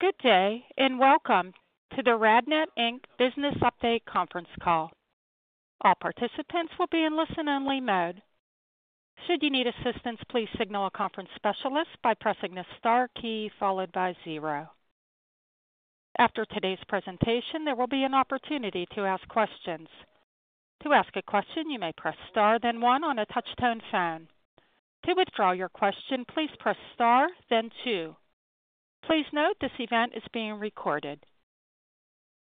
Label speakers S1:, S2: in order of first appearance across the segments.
S1: Good day, and welcome to the RadNet Business Update conference call. All participants will be in listen-only mode. Should you need assistance, please signal a conference specialist by pressing the star key followed by zero. After today's presentation, there will be an opportunity to ask questions. To ask a question, you may press star, then one on a touch-tone phone. To withdraw your question, please press star, then two. Please note this event is being recorded.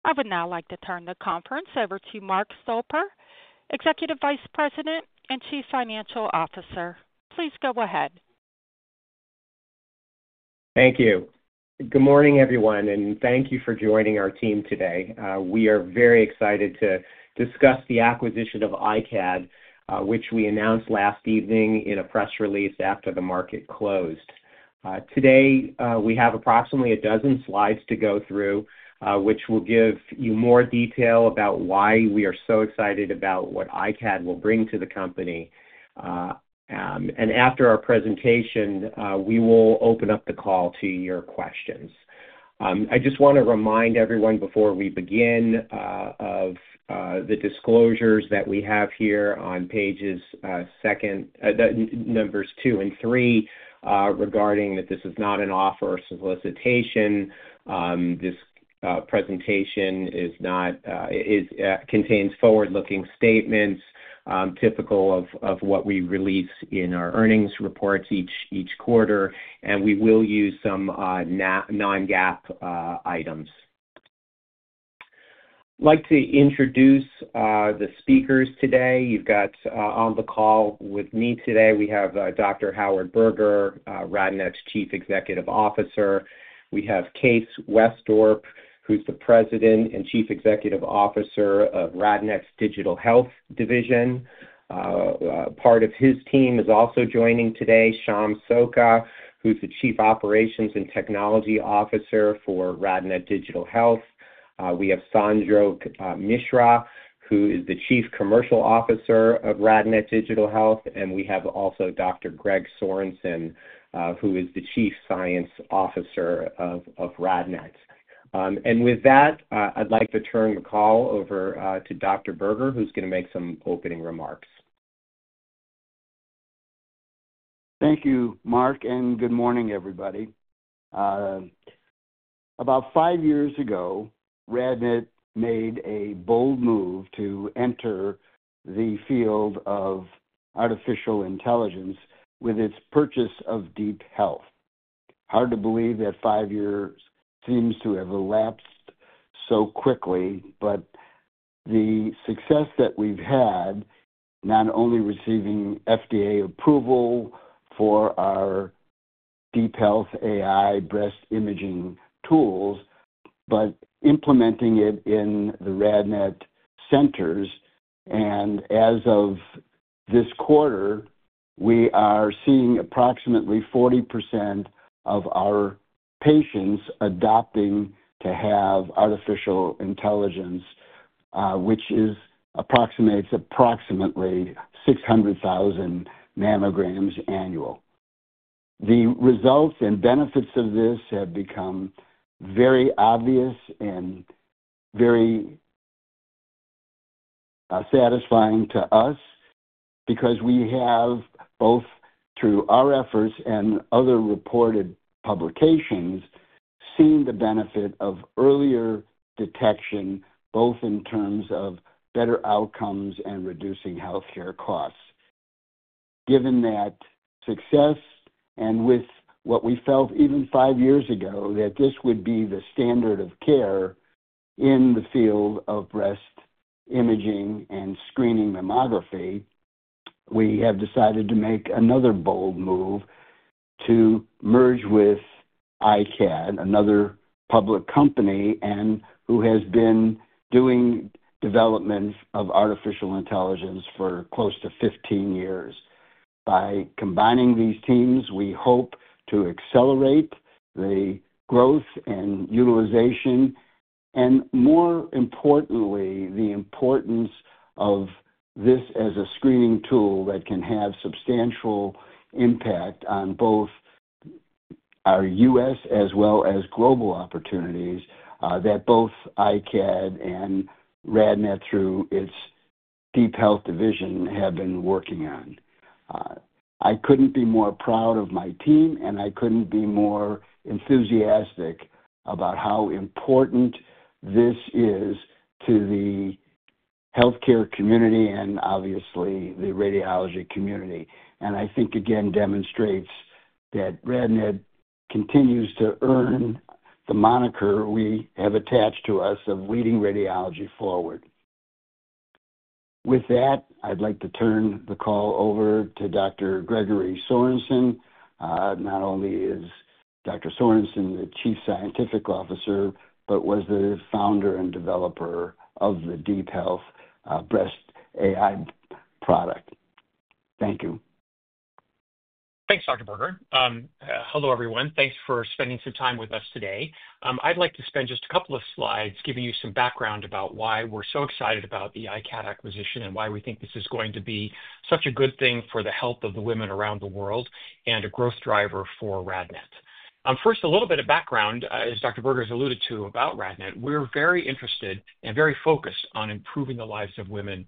S1: I would now like to turn the conference over to Mark Stolper, Executive Vice President and Chief Financial Officer. Please go ahead.
S2: Thank you. Good morning, everyone, and thank you for joining our team today. We are very excited to discuss the acquisition of iCAD, which we announced last evening in a press release after the market closed. Today, we have approximately a dozen slides to go through, which will give you more detail about why we are so excited about what iCAD will bring to the company. After our presentation, we will open up the call to your questions. I just want to remind everyone before we begin of the disclosures that we have here on pages numbers two and three regarding that this is not an offer or solicitation. This presentation contains forward-looking statements typical of what we release in our earnings reports each quarter, and we will use some non-GAAP items. I'd like to introduce the speakers today. On the call with me today, we have Dr. Howard Berger, RadNet's Chief Executive Officer. We have Kees Wesdorp, who's the President and Chief Executive Officer of RadNet's Digital Health Division. Part of his team is also joining today, Sham Sokka, who's the Chief Operations and Technology Officer for RadNet Digital Health. We have Sanjog Mishra, who is the Chief Commercial Officer of RadNet Digital Health, and we have also Dr. Gregory Sorensen, who is the Chief Science Officer of RadNet. With that, I'd like to turn the call over to Dr. Berger, who's going to make some opening remarks.
S3: Thank you, Mark, and good morning, everybody. About five years ago, RadNet made a bold move to enter the field of artificial intelligence with its purchase of DeepHealth. Hard to believe that five years seems to have elapsed so quickly, but the success that we've had, not only receiving FDA approval for our DeepHealth AI breast imaging tools, but implementing it in the RadNet centers. As of this quarter, we are seeing approximately 40% of our patients adopting to have artificial intelligence, which approximates approximately 600,000 mammograms annual. The results and benefits of this have become very obvious and very satisfying to us because we have both, through our efforts and other reported publications, seen the benefit of earlier detection, both in terms of better outcomes and reducing healthcare costs. Given that success and with what we felt even five years ago that this would be the standard of care in the field of breast imaging and screening mammography, we have decided to make another bold move to merge with iCAD, another public company who has been doing development of artificial intelligence for close to 15 years. By combining these teams, we hope to accelerate the growth and utilization, and more importantly, the importance of this as a screening tool that can have substantial impact on both our U.S. as well as global opportunities that both iCAD and RadNet, through its DeepHealth Division, have been working on. I couldn't be more proud of my team, and I couldn't be more enthusiastic about how important this is to the healthcare community and obviously the radiology community. I think, again, demonstrates that RadNet continues to earn the moniker we have attached to us of leading radiology forward. With that, I'd like to turn the call over to Dr. Gregory Sorensen. Not only is Dr. Sorensen the Chief Scientific Officer, but was the founder and developer of the DeepHealth best AI product. Thank you.
S4: Thanks, Dr. Berger. Hello, everyone. Thanks for spending some time with us today. I'd like to spend just a couple of slides giving you some background about why we're so excited about the iCAD acquisition and why we think this is going to be such a good thing for the health of the women around the world and a growth driver for RadNet. First, a little bit of background, as Dr. Berger has alluded to about RadNet, we're very interested and very focused on improving the lives of women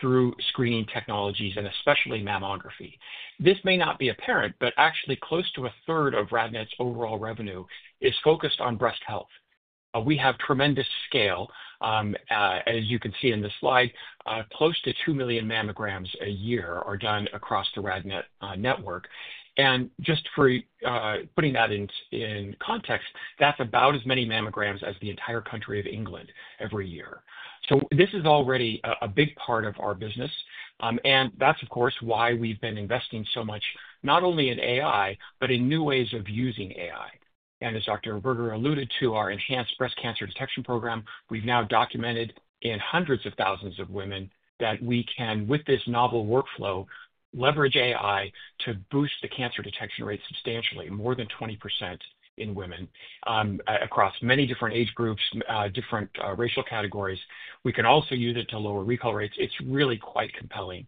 S4: through screening technologies and especially mammography. This may not be apparent, but actually close to a third of RadNet's overall revenue is focused on breast health. We have tremendous scale. As you can see in this slide, close to 2 million mammograms a year are done across the RadNet network. Just for putting that in context, that's about as many mammograms as the entire country of England every year. This is already a big part of our business, and that's, of course, why we've been investing so much not only in AI, but in new ways of using AI. As Dr. Berger alluded to, our Enhanced Breast Cancer Detection Program, we've now documented in hundreds of thousands of women that we can, with this novel workflow, leverage AI to boost the cancer detection rate substantially, more than 20% in women across many different age groups, different racial categories. We can also use it to lower recall rates. It's really quite compelling.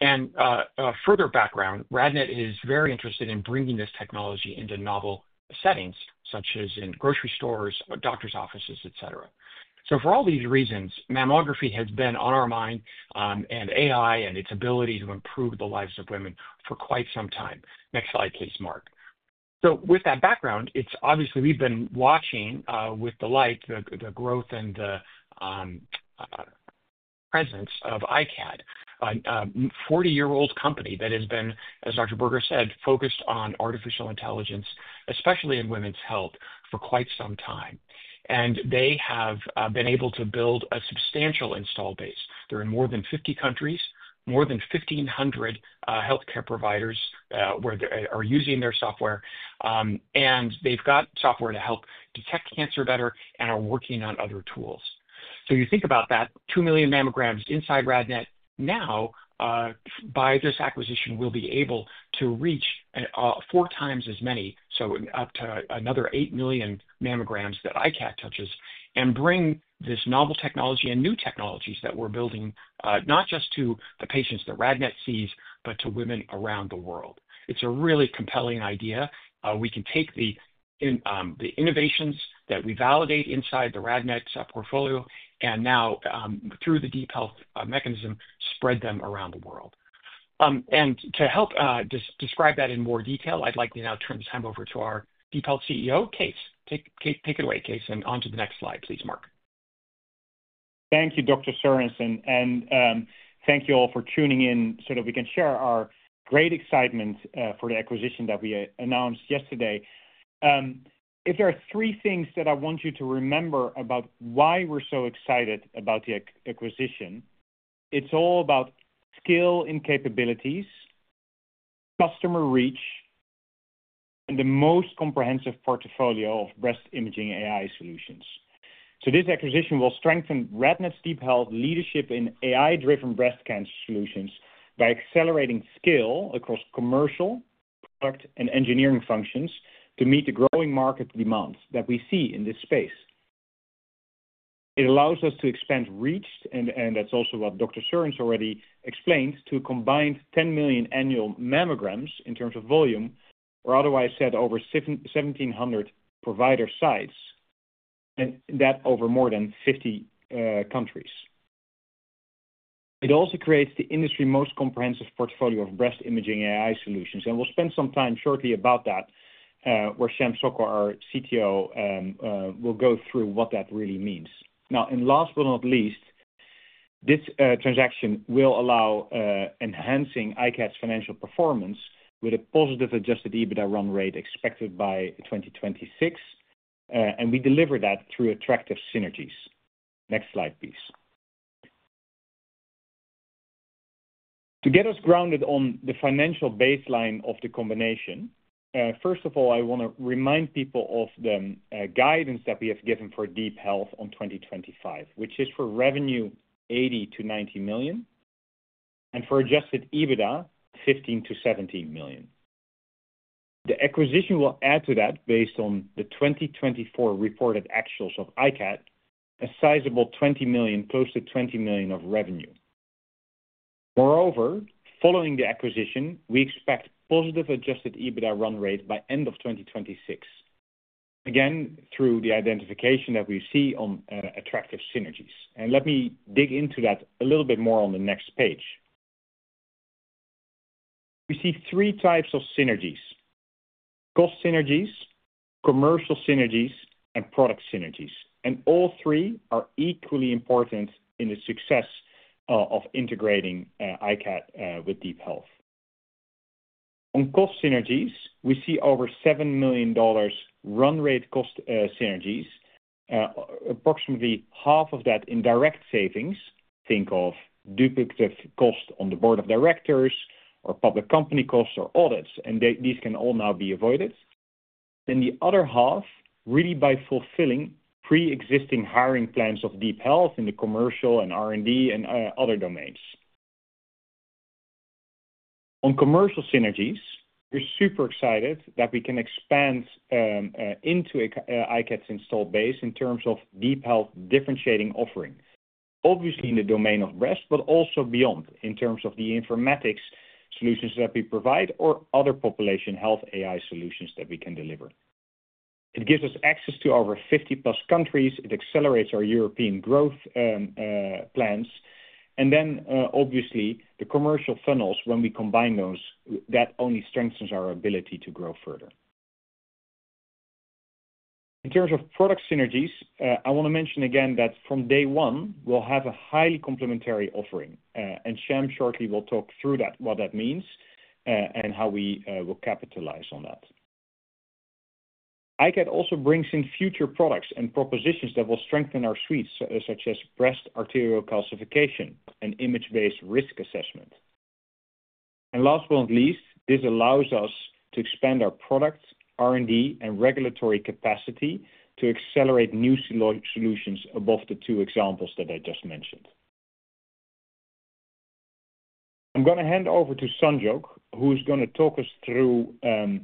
S4: Further background, RadNet is very interested in bringing this technology into novel settings, such as in grocery stores, doctor's offices, etc. For all these reasons, mammography has been on our mind and AI and its ability to improve the lives of women for quite some time. Next slide, please, Mark. With that background, it's obvious we've been watching with delight the growth and the presence of iCAD, a 40-year-old company that has been, as Dr. Berger said, focused on artificial intelligence, especially in women's health, for quite some time. They have been able to build a substantial install base. They're in more than 50 countries, more than 1,500 healthcare providers are using their software, and they've got software to help detect cancer better and are working on other tools. You think about that, 2 million mammograms inside RadNet. Now, by this acquisition, we'll be able to reach four times as many, so up to another 8 million mammograms that iCAD touches, and bring this novel technology and new technologies that we're building not just to the patients that RadNet sees, but to women around the world. It's a really compelling idea. We can take the innovations that we validate inside the RadNet portfolio and now, through the DeepHealth mechanism, spread them around the world. To help describe that in more detail, I'd like to now turn the time over to our DeepHealth CEO, Kees. Take it away, Kees, and on to the next slide, please, Mark.
S5: Thank you, Dr. Sorensen. Thank you all for tuning in so that we can share our great excitement for the acquisition that we announced yesterday. If there are three things that I want you to remember about why we're so excited about the acquisition, it's all about skill and capabilities, customer reach, and the most comprehensive portfolio of breast imaging AI solutions. This acquisition will strengthen RadNet's DeepHealth leadership in AI-driven breast cancer solutions by accelerating skill across commercial, product, and engineering functions to meet the growing market demands that we see in this space. It allows us to expand reach, and that's also what Dr. Sorensen already explained, to a combined 10 million annual mammograms in terms of volume, or otherwise said, over 1,700 provider sites, and that over more than 50 countries. It also creates the industry's most comprehensive portfolio of breast imaging AI solutions. We'll spend some time shortly about that, where Sham Sokka, our CTO, will go through what that really means. Now, last but not least, this transaction will allow enhancing iCAD's financial performance with a positive adjusted EBITDA run rate expected by 2026, and we deliver that through attractive synergies. Next slide, please. To get us grounded on the financial baseline of the combination, first of all, I want to remind people of the guidance that we have given for DeepHealth on 2025, which is for revenue $80 million-$90 million and for adjusted EBITDA $15 million-$17 million. The acquisition will add to that, based on the 2024 reported actuals of iCAD, a sizable $20 million, close to $20 million of revenue. Moreover, following the acquisition, we expect positive adjusted EBITDA run rate by the end of 2026, again, through the identification that we see on attractive synergies. Let me dig into that a little bit more on the next page. We see three types of synergies: cost synergies, commercial synergies, and product synergies. All three are equally important in the success of integrating iCAD with DeepHealth. On cost synergies, we see over $7 million run rate cost synergies. Approximately half of that in direct savings, think of duplicative cost on the board of directors or public company costs or audits, and these can all now be avoided. The other half, really by fulfilling pre-existing hiring plans of DeepHealth in the commercial and R&D and other domains. On commercial synergies, we're super excited that we can expand into iCAD's install base in terms of DeepHealth differentiating offering, obviously in the domain of breast, but also beyond in terms of the informatics solutions that we provide or other population health AI solutions that we can deliver. It gives us access to over 50 plus countries. It accelerates our European growth plans. The commercial funnels, when we combine those, that only strengthens our ability to grow further. In terms of product synergies, I want to mention again that from day one, we'll have a highly complementary offering, and Sham shortly will talk through what that means and how we will capitalize on that. iCAD also brings in future products and propositions that will strengthen our suites, such as Breast Arterial Calcification and Image-Based Risk Assessment. Last but not least, this allows us to expand our product R&D and regulatory capacity to accelerate new solutions above the two examples that I just mentioned. I'm going to hand over to Sham Sokka, who is going to talk us through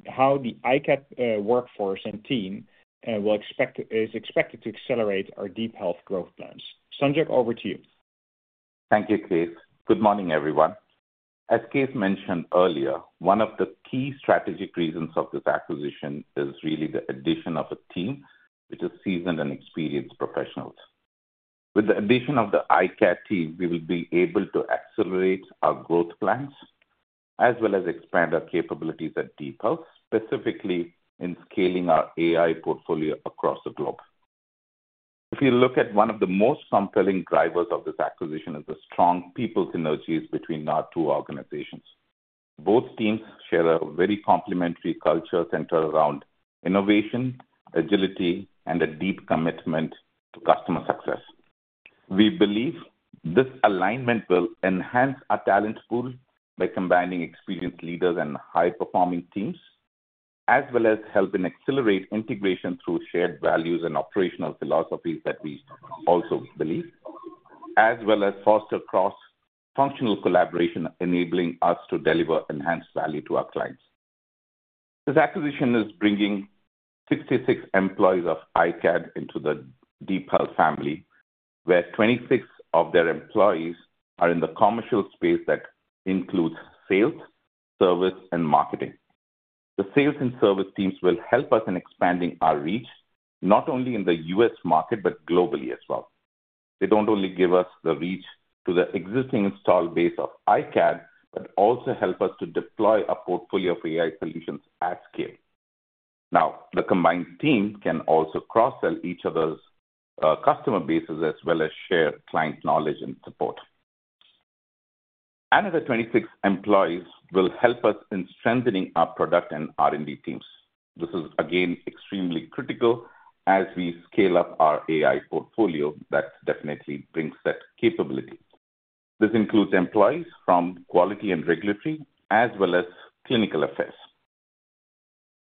S5: how the iCAD workforce and team is expected to accelerate our DeepHealth growth plans. Sanjog, over to you.
S6: Thank you, Kees. Good morning, everyone. As Kees mentioned earlier, one of the key strategic reasons of this acquisition is really the addition of a team which is seasoned and experienced professionals. With the addition of the iCAD team, we will be able to accelerate our growth plans as well as expand our capabilities at DeepHealth, specifically in scaling our AI portfolio across the globe. If you look at one of the most compelling drivers of this acquisition, it's the strong people synergies between our two organizations. Both teams share a very complementary culture centered around innovation, agility, and a deep commitment to customer success. We believe this alignment will enhance our talent pool by combining experienced leaders and high-performing teams, as well as helping accelerate integration through shared values and operational philosophies that we also believe, as well as foster cross-functional collaboration, enabling us to deliver enhanced value to our clients. This acquisition is bringing 66 employees of iCAD into the DeepHealth family, where 26 of their employees are in the commercial space that includes sales, service, and marketing. The sales and service teams will help us in expanding our reach, not only in the U.S. market, but globally as well. They do not only give us the reach to the existing install base of iCAD, but also help us to deploy a portfolio of AI solutions at scale. Now, the combined team can also cross-sell each other's customer bases as well as share client knowledge and support. Another 26 employees will help us in strengthening our product and R&D teams. This is, again, extremely critical as we scale up our AI portfolio that definitely brings that capability. This includes employees from quality and regulatory as well as clinical affairs.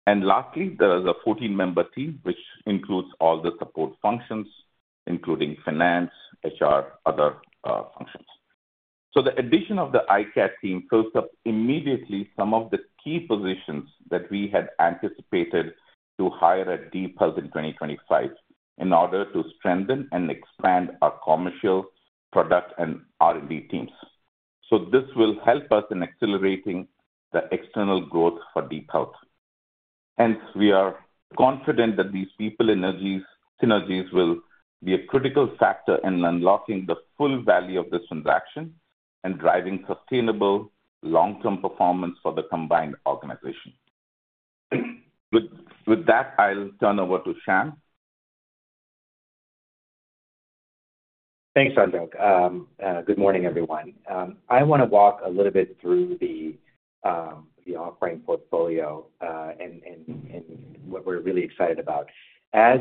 S6: Lastly, there is a 14-member team, which includes all the support functions, including finance, HR, and other functions. The addition of the iCAD team fills up immediately some of the key positions that we had anticipated to hire at DeepHealth in 2025 in order to strengthen and expand our commercial, product, and R&D teams. This will help us in accelerating the external growth for DeepHealth. Hence, we are confident that these people synergies will be a critical factor in unlocking the full value of this transaction and driving sustainable, long-term performance for the combined organization. With that, I'll turn over to Sham.
S7: Thanks, Sanjog. Good morning, everyone. I want to walk a little bit through the offering portfolio and what we're really excited about. As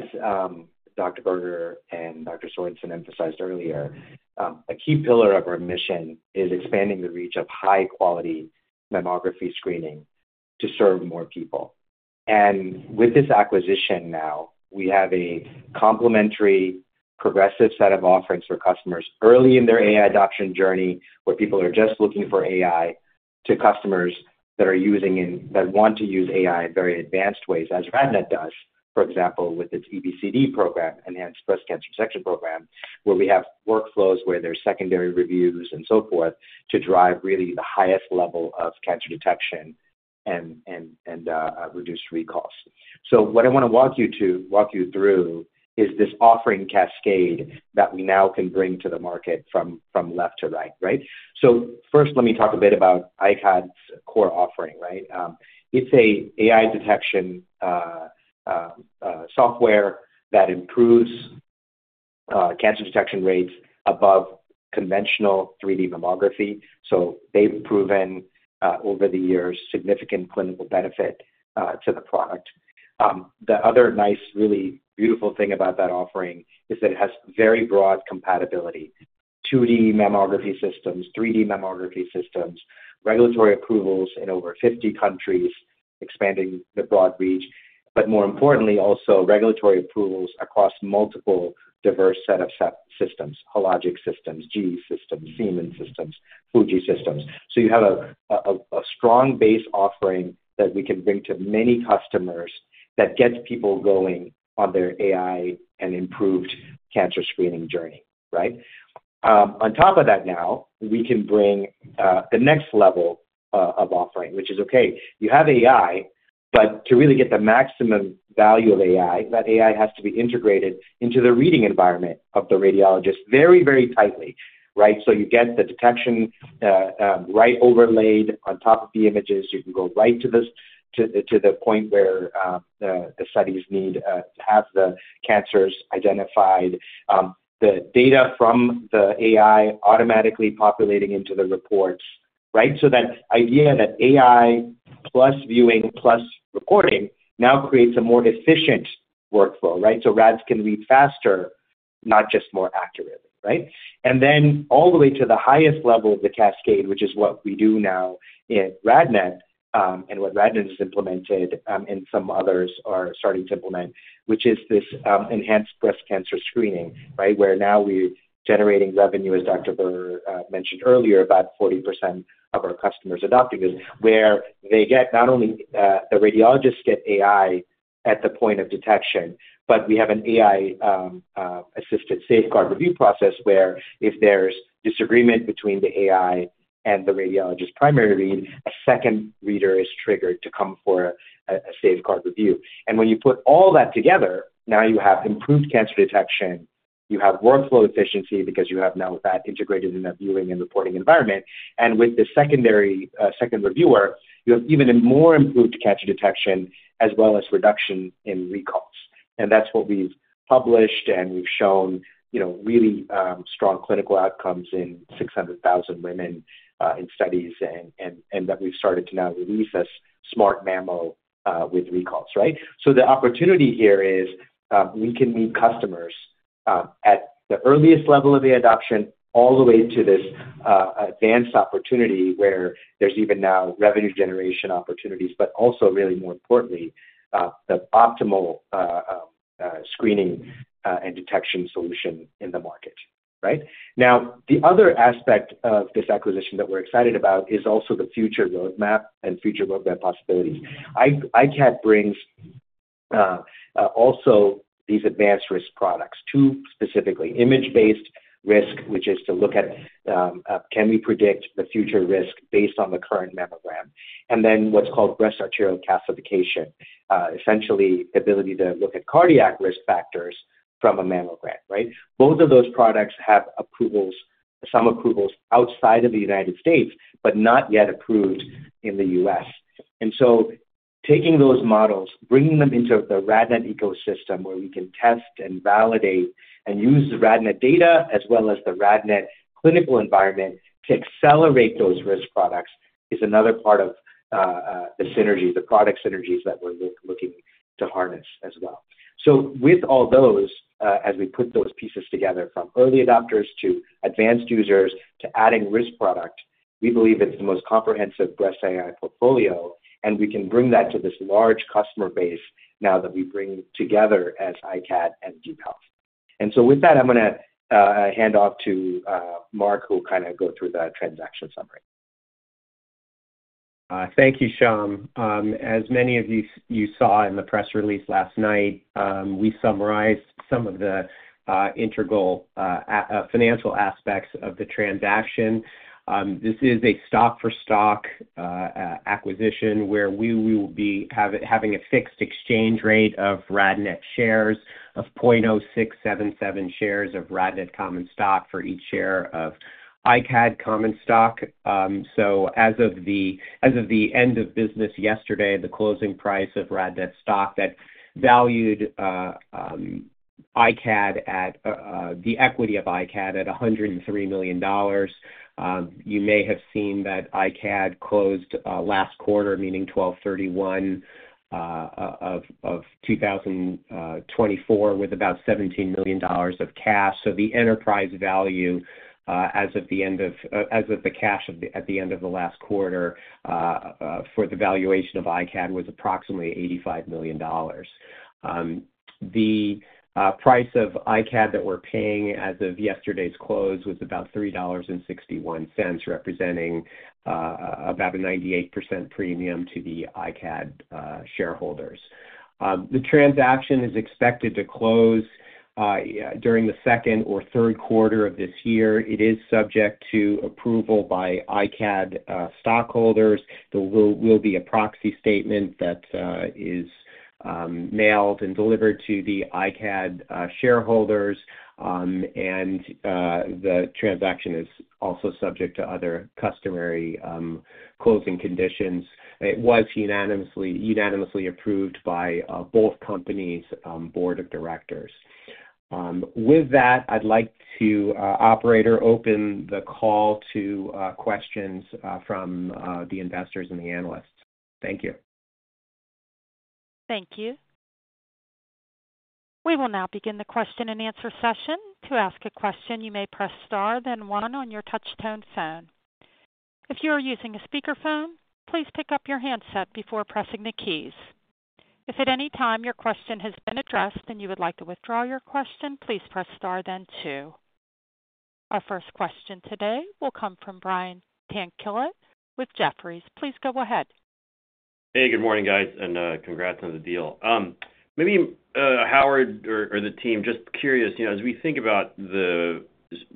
S7: Dr. Berger and Dr. Sorensen emphasized earlier, a key pillar of our mission is expanding the reach of high-quality mammography screening to serve more people. With this acquisition now, we have a complementary, progressive set of offerings for customers early in their AI adoption journey, where people are just looking for AI, to customers that are using and that want to use AI in very advanced ways, as RadNet does, for example, with its EBCD program, Enhanced Breast Cancer Detection Program, where we have workflows where there are secondary reviews and so forth to drive really the highest level of cancer detection and reduced recalls. What I want to walk you through is this offering cascade that we now can bring to the market from left to right, right? First, let me talk a bit about iCAD's core offering, right? It's an AI detection software that improves cancer detection rates above conventional 3D mammography. They've proven, over the years, significant clinical benefit to the product. The other nice, really beautiful thing about that offering is that it has very broad compatibility: 2D mammography systems, 3D mammography systems, regulatory approvals in over 50 countries, expanding the broad reach, but more importantly, also regulatory approvals across multiple diverse sets of systems: Hologic Systems, GE HealthCare Systems, Siemens Healthineers Systems, Fujifilm Systems. You have a strong base offering that we can bring to many customers that gets people going on their AI and improved cancer screening journey, right? On top of that now, we can bring the next level of offering, which is, okay, you have AI, but to really get the maximum value of AI, that AI has to be integrated into the reading environment of the radiologist very, very tightly, right? You get the detection right overlaid on top of the images. You can go right to the point where the studies need to have the cancers identified, the data from the AI automatically populating into the reports, right? That idea that AI plus viewing plus reporting now creates a more efficient workflow, right? Rads can read faster, not just more accurately, right? All the way to the highest level of the cascade, which is what we do now in iCAD and what iCAD has implemented and some others are starting to implement, which is this enhanced breast cancer screening, right? Where now we're generating revenue, as Dr. Berger mentioned earlier, about 40% of our customers adopting this, where they get not only the radiologists get AI at the point of detection, but we have an AI-assisted safeguard review process where if there's disagreement between the AI and the radiologist's primary read, a second reader is triggered to come for a safeguard review. When you put all that together, now you have improved cancer detection, you have workflow efficiency because you have now that integrated in a viewing and reporting environment. With the secondary second reviewer, you have even more improved cancer detection as well as reduction in recalls. That's what we've published, and we've shown really strong clinical outcomes in 600,000 women in studies and that we've started to now release as SmartMammo with recalls, right? The opportunity here is we can meet customers at the earliest level of the adoption all the way to this advanced opportunity where there's even now revenue generation opportunities, but also, really more importantly, the optimal screening and detection solution in the market, right? Now, the other aspect of this acquisition that we're excited about is also the future roadmap and future roadmap possibilities. iCAD brings also these advanced risk products, two specifically: image-based risk, which is to look at can we predict the future risk based on the current mammogram, and then what's called Breast Arterial Calcification, essentially the ability to look at cardiac risk factors from a mammogram, right? Both of those products have approvals, some approvals outside of the U.S., but not yet approved in the U.S. Taking those models, bringing them into the RadNet ecosystem where we can test and validate and use the RadNet data as well as the RadNet clinical environment to accelerate those risk products is another part of the synergies, the product synergies that we're looking to harness as well. With all those, as we put those pieces together from early adopters to advanced users to adding risk product, we believe it's the most comprehensive breast AI portfolio, and we can bring that to this large customer base now that we bring together as iCAD and DeepHealth. With that, I'm going to hand off to Mark, who will kind of go through the transaction summary.
S2: Thank you, Sham. As many of you saw in the press release last night, we summarized some of the integral financial aspects of the transaction. This is a stock-for-stock acquisition where we will be having a fixed exchange rate of RadNet shares, of 0.0677 shares of RadNet Common Stock for each share of iCAD Common Stock. As of the end of business yesterday, the closing price of RadNet Stock valued iCAD at the equity of iCAD at $103 million. You may have seen that iCAD closed last quarter, meaning December 31, 2024, with about $17 million of cash. The enterprise value as of the end of the cash at the end of the last quarter for the valuation of iCAD was approximately $85 million. The price of iCAD that we're paying as of yesterday's close was about $3.61, representing about a 98% premium to the iCAD shareholders. The transaction is expected to close during the second or third quarter of this year. It is subject to approval by iCAD stockholders. There will be a proxy statement that is mailed and delivered to the iCAD shareholders, and the transaction is also subject to other customary closing conditions. It was unanimously approved by both companies' board of directors. With that, I'd like to, Operator, open the call to questions from the investors and the analysts. Thank you.
S1: Thank you. We will now begin the question and answer session. To ask a question, you may press star, then one on your touch-tone phone. If you are using a speakerphone, please pick up your handset before pressing the keys. If at any time your question has been addressed and you would like to withdraw your question, please press star, then two. Our first question today will come from Brian Tanquilutt with Jefferies. Please go ahead.
S8: Hey, good morning, guys, and congrats on the deal. May be Howard or the team, just curious, as we think about the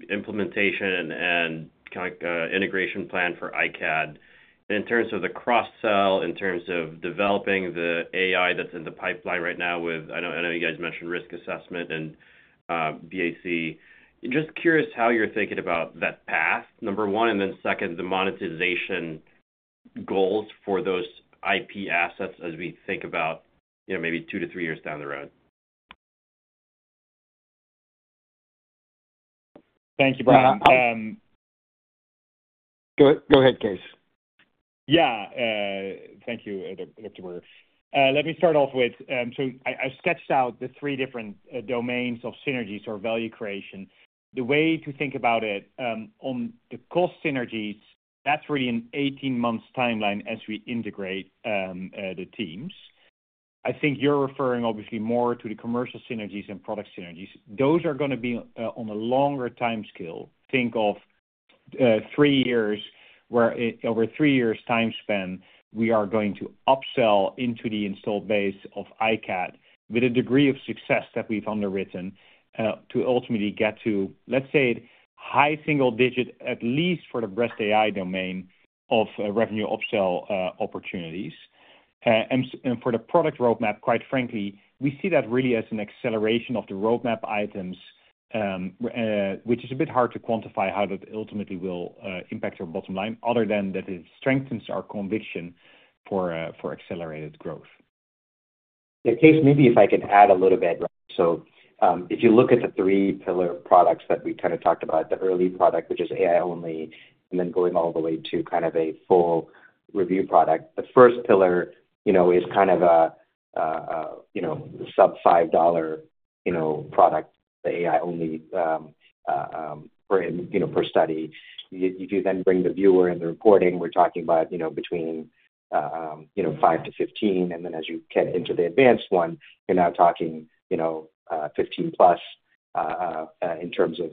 S8: implementation and kind of integration plan for iCAD, in terms of the cross-sell, in terms of developing the AI that's in the pipeline right now with, I know you guys mentioned risk assessment and BAC. Just curious how you're thinking about that path, number one, and then second, the monetization goals for those IP assets as we think about maybe two to three years down the road.
S3: Thank you, Brian. Go ahead, Kees.
S5: Yeah. Thank you, Dr. Berger. Let me start off with, so I sketched out the three different domains of synergies, or value creation. The way to think about it on the cost synergies, that's really an 18-month timeline as we integrate the teams. I think you're referring, obviously, more to the commercial synergies and product synergies. Those are going to be on a longer time scale. Think of three years, where over a three-year time span, we are going to upsell into the installed base of iCAD with a degree of success that we've underwritten to ultimately get to, let's say, high single digit, at least for the breast AI domain, of revenue upsell opportunities. For the product roadmap, quite frankly, we see that really as an acceleration of the roadmap items, which is a bit hard to quantify how that ultimately will impact our bottom line, other than that it strengthens our conviction for accelerated growth.
S3: Yeah, Keese, maybe if I could add a little bit, right? If you look at the three pillar products that we kind of talked about, the early product, which is AI only, and then going all the way to kind of a full review product. The first pillar is kind of a sub-$5 product, the AI only per study. If you then bring the viewer and the reporting, we're talking about between $5-$15, and then as you get into the advanced one, you're now talking $15-plus in terms of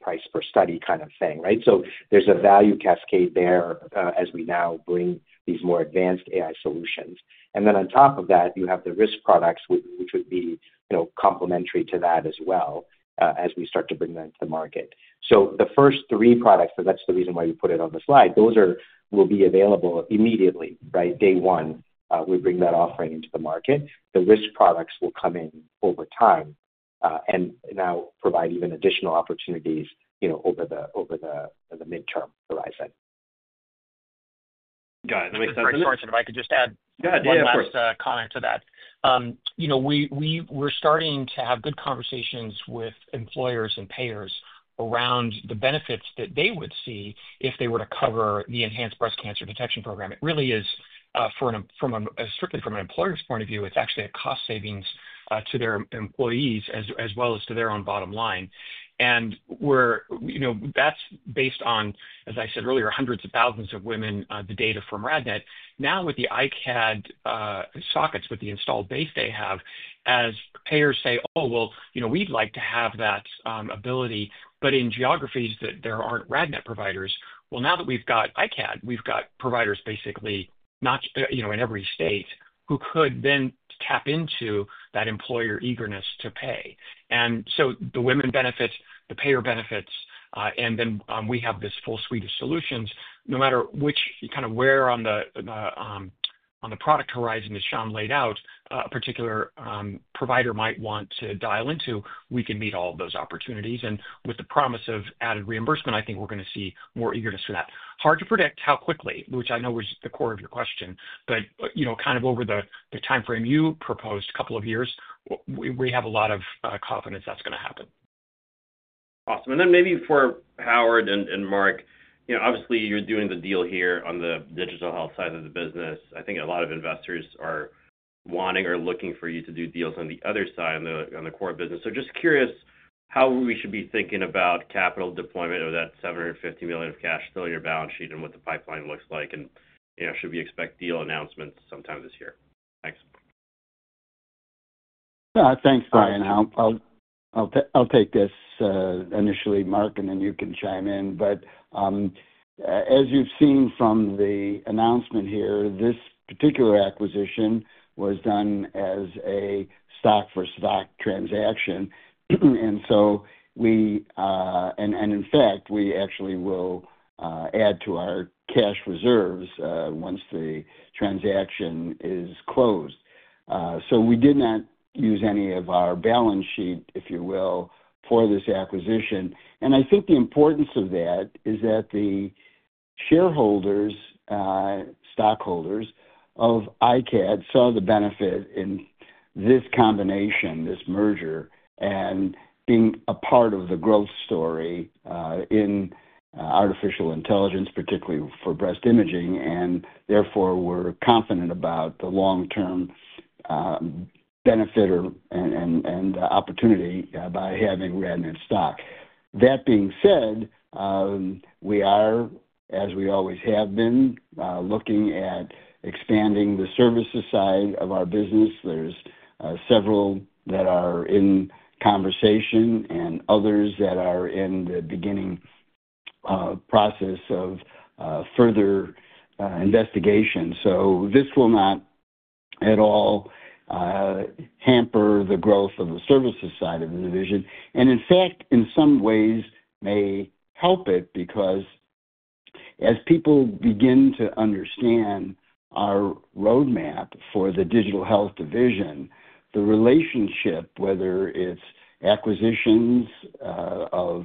S3: price per study kind of thing, right? There's a value cascade there as we now bring these more advanced AI solutions. On top of that, you have the risk products, which would be complementary to that as well as we start to bring them to the market. The first three products, and that's the reason why we put it on the slide, those will be available immediately, right? Day one, we bring that offering into the market. The risk products will come in over time and now provide even additional opportunities over the midterm horizon.
S8: Got it. That makes sense.
S2: Sorry, Sham, if I could just add one last comment to that. We're starting to have good conversations with employers and payers around the benefits that they would see if they were to cover the Enhanced Breast Cancer Detection Program. It really is, strictly from an employer's point of view, it's actually a cost savings to their employees as well as to their own bottom line. That's based on, as I said earlier, hundreds of thousands of women, the data from RadNet. Now with the iCAD sockets, with the installed base they have, as payers say, "Oh, well, we'd like to have that ability," in geographies that there aren't RadNet providers, now that we've got iCAD, we've got providers basically in every state who could then tap into that employer eagerness to pay. The women benefits, the payer benefits, and then we have this full suite of solutions. No matter kind of where on the product horizon that Sham laid out, a particular provider might want to dial into, we can meet all of those opportunities. With the promise of added reimbursement, I think we're going to see more eagerness for that. Hard to predict how quickly, which I know was the core of your question, but kind of over the timeframe you proposed, a couple of years, we have a lot of confidence that's going to happen.
S8: Awesome. Maybe for Howard and Mark, obviously, you're doing the deal here on the digital health side of the business. I think a lot of investors are wanting or looking for you to do deals on the other side, on the core business. Just curious how we should be thinking about capital deployment of that $750 million of cash still in your balance sheet and what the pipeline looks like, and should we expect deal announcements sometime this year? Thanks.
S7: Thanks, Brian. I'll take this initially, Mark, and then you can chime in. As you've seen from the announcement here, this particular acquisition was done as a stock-for-stock transaction. In fact, we actually will add to our cash reserves once the transaction is closed. We did not use any of our balance sheet, if you will, for this acquisition. I think the importance of that is that the shareholders, stockholders of iCAD, saw the benefit in this combination, this merger, and being a part of the growth story in artificial intelligence, particularly for breast imaging, and therefore were confident about the long-term benefit and opportunity by having RadNet stock. That being said, we are, as we always have been, looking at expanding the services side of our business. There are several that are in conversation and others that are in the beginning process of further investigation. This will not at all hamper the growth of the services side of the division. In fact, in some ways, may help it because as people begin to understand our roadmap for the digital health division, the relationship, whether it's acquisitions of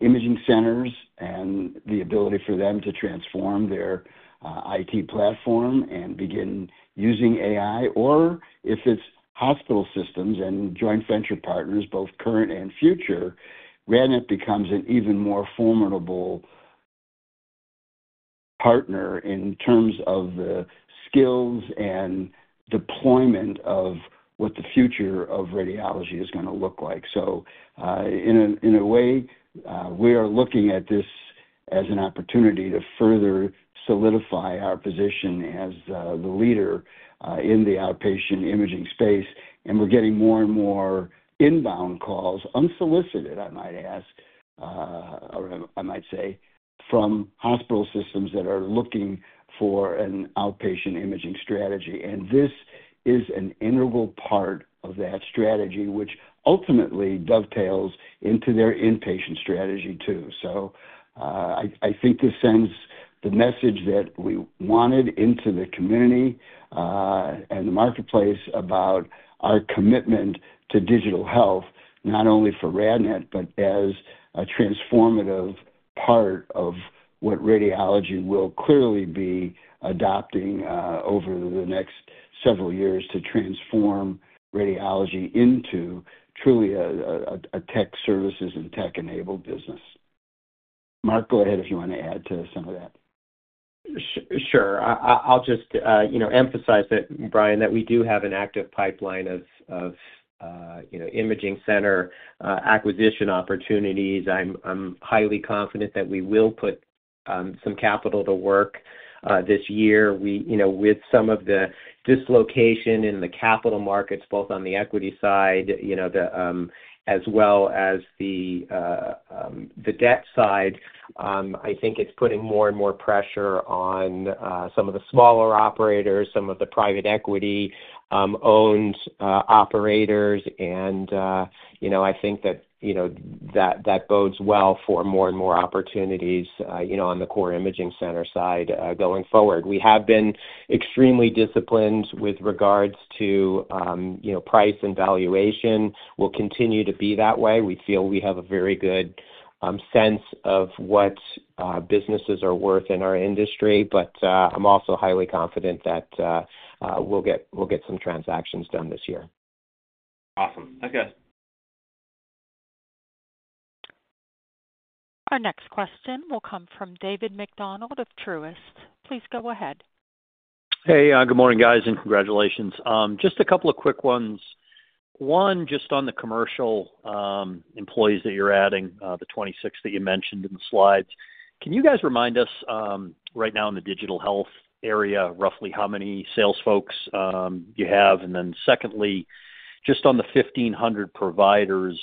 S7: imaging centers and the ability for them to transform their IT platform and begin using AI, or if it's hospital systems and joint venture partners, both current and future, RadNet becomes an even more formidable partner in terms of the skills and deployment of what the future of radiology is going to look like. In a way, we are looking at this as an opportunity to further solidify our position as the leader in the outpatient imaging space. We're getting more and more inbound calls, unsolicited, I might say, from hospital systems that are looking for an outpatient imaging strategy. This is an integral part of that strategy, which ultimately dovetails into their inpatient strategy too. I think this sends the message that we wanted into the community and the marketplace about our commitment to digital health, not only for RadNet, but as a transformative part of what radiology will clearly be adopting over the next several years to transform radiology into truly a tech services and tech-enabled business. Mark, go ahead if you want to add to some of that.
S2: Sure. I'll just emphasize that, Brian, that we do have an active pipeline of imaging center acquisition opportunities. I'm highly confident that we will put some capital to work this year. With some of the dislocation in the capital markets, both on the equity side as well as the debt side, I think it's putting more and more pressure on some of the smaller operators, some of the private equity-owned operators. I think that that bodes well for more and more opportunities on the core imaging center side going forward. We have been extremely disciplined with regards to price and valuation. We'll continue to be that way. We feel we have a very good sense of what businesses are worth in our industry, but I'm also highly confident that we'll get some transactions done this year.
S8: Awesome. Thank you.
S1: Our next question will come from David MacDonald of Truist. Please go ahead.
S9: Hey, good morning, guys, and congratulations. Just a couple of quick ones. One, just on the commercial employees that you're adding, the 26 that you mentioned in the slides. Can you guys remind us right now in the digital health area, roughly how many sales folks you have? Then secondly, just on the 1,500 providers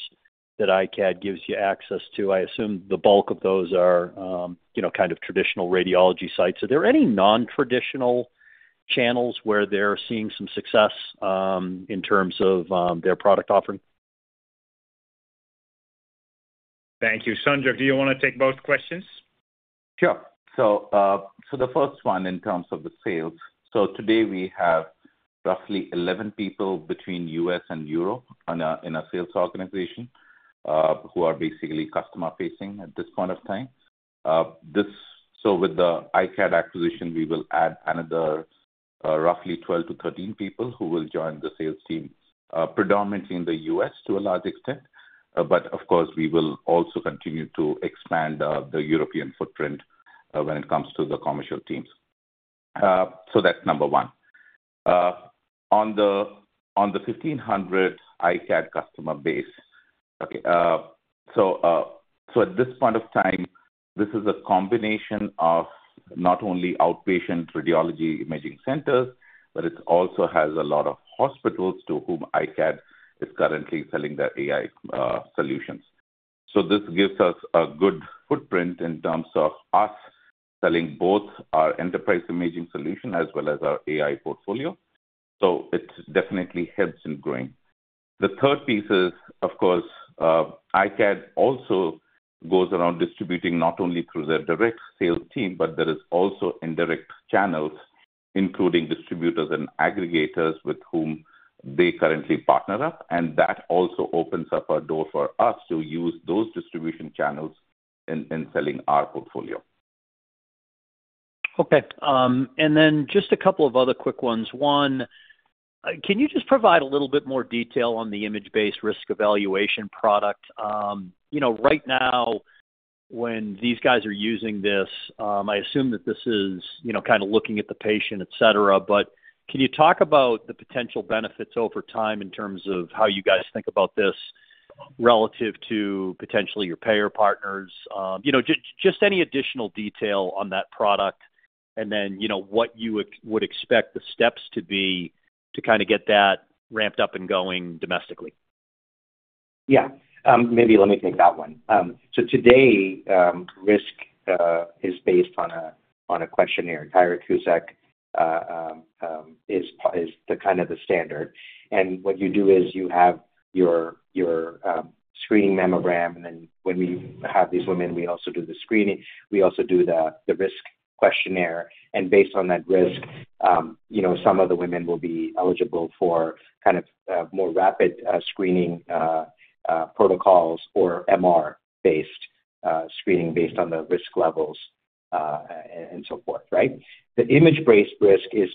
S9: that iCAD gives you access to, I assume the bulk of those are kind of traditional radiology sites. Are there any non-traditional channels where they're seeing some success in terms of their product offering?
S2: Thank you. Sunjog, do you want to take both questions?
S6: Sure. The first one in terms of the sales. Today we have roughly 11 people between the U.S. and Europe in a sales organization who are basically customer-facing at this point of time. With the iCAD acquisition, we will add another roughly 12-13 people who will join the sales team, predominantly in the U.S. to a large extent. Of course, we will also continue to expand the European footprint when it comes to the commercial teams. That's number one. On the 1,500 iCAD customer base, at this point of time, this is a combination of not only outpatient radiology imaging centers, but it also has a lot of hospitals to whom iCAD is currently selling their AI solutions. This gives us a good footprint in terms of us selling both our enterprise imaging solution as well as our AI portfolio. It definitely helps in growing. The third piece is, of course, iCAD also goes around distributing not only through their direct sales team, but there are also indirect channels, including distributors and aggregators with whom they currently partner up. That also opens up a door for us to use those distribution channels in selling our portfolio.
S9: Okay. Just a couple of other quick ones. One, can you just provide a little bit more detail on the image-based risk evaluation product? Right now, when these guys are using this, I assume that this is kind of looking at the patient, etc. Can you talk about the potential benefits over time in terms of how you guys think about this relative to potentially your payer partners? Just any additional detail on that product and then what you would expect the steps to be to kind of get that ramped up and going domestically.
S7: Yeah. Maybe let me take that one. Today, risk is based on a questionnaire. Tyrer-Cuzick is kind of the standard. What you do is you have your screening mammogram, and then when we have these women, we also do the screening. We also do the risk questionnaire. Based on that risk, some of the women will be eligible for kind of more rapid screening protocols or MR-based screening based on the risk levels and so forth, right? The image-based risk is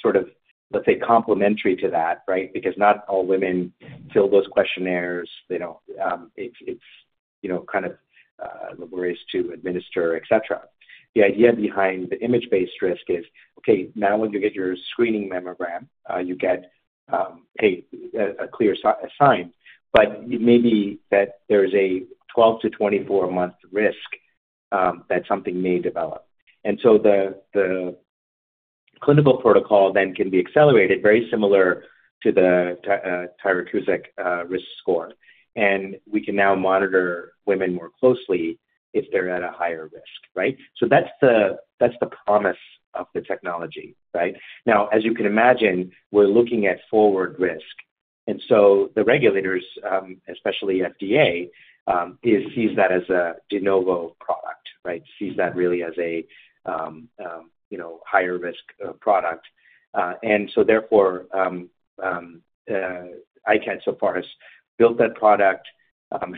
S7: sort of, let's say, complementary to that, right? Because not all women fill those questionnaires. It's kind of laborious to administer, etc. The idea behind the image-based risk is, okay, now when you get your screening mammogram, you get, hey, a clear sign, but maybe that there is a 12-24 month risk that something may develop. The clinical protocol then can be accelerated, very similar to the Tyrer-Cuzick risk score. We can now monitor women more closely if they're at a higher risk, right? That's the promise of the technology, right? Now, as you can imagine, we're looking at forward risk. The regulators, especially FDA, see that as a de novo product, see that really as a higher risk product. Therefore, iCAD so far has built that product,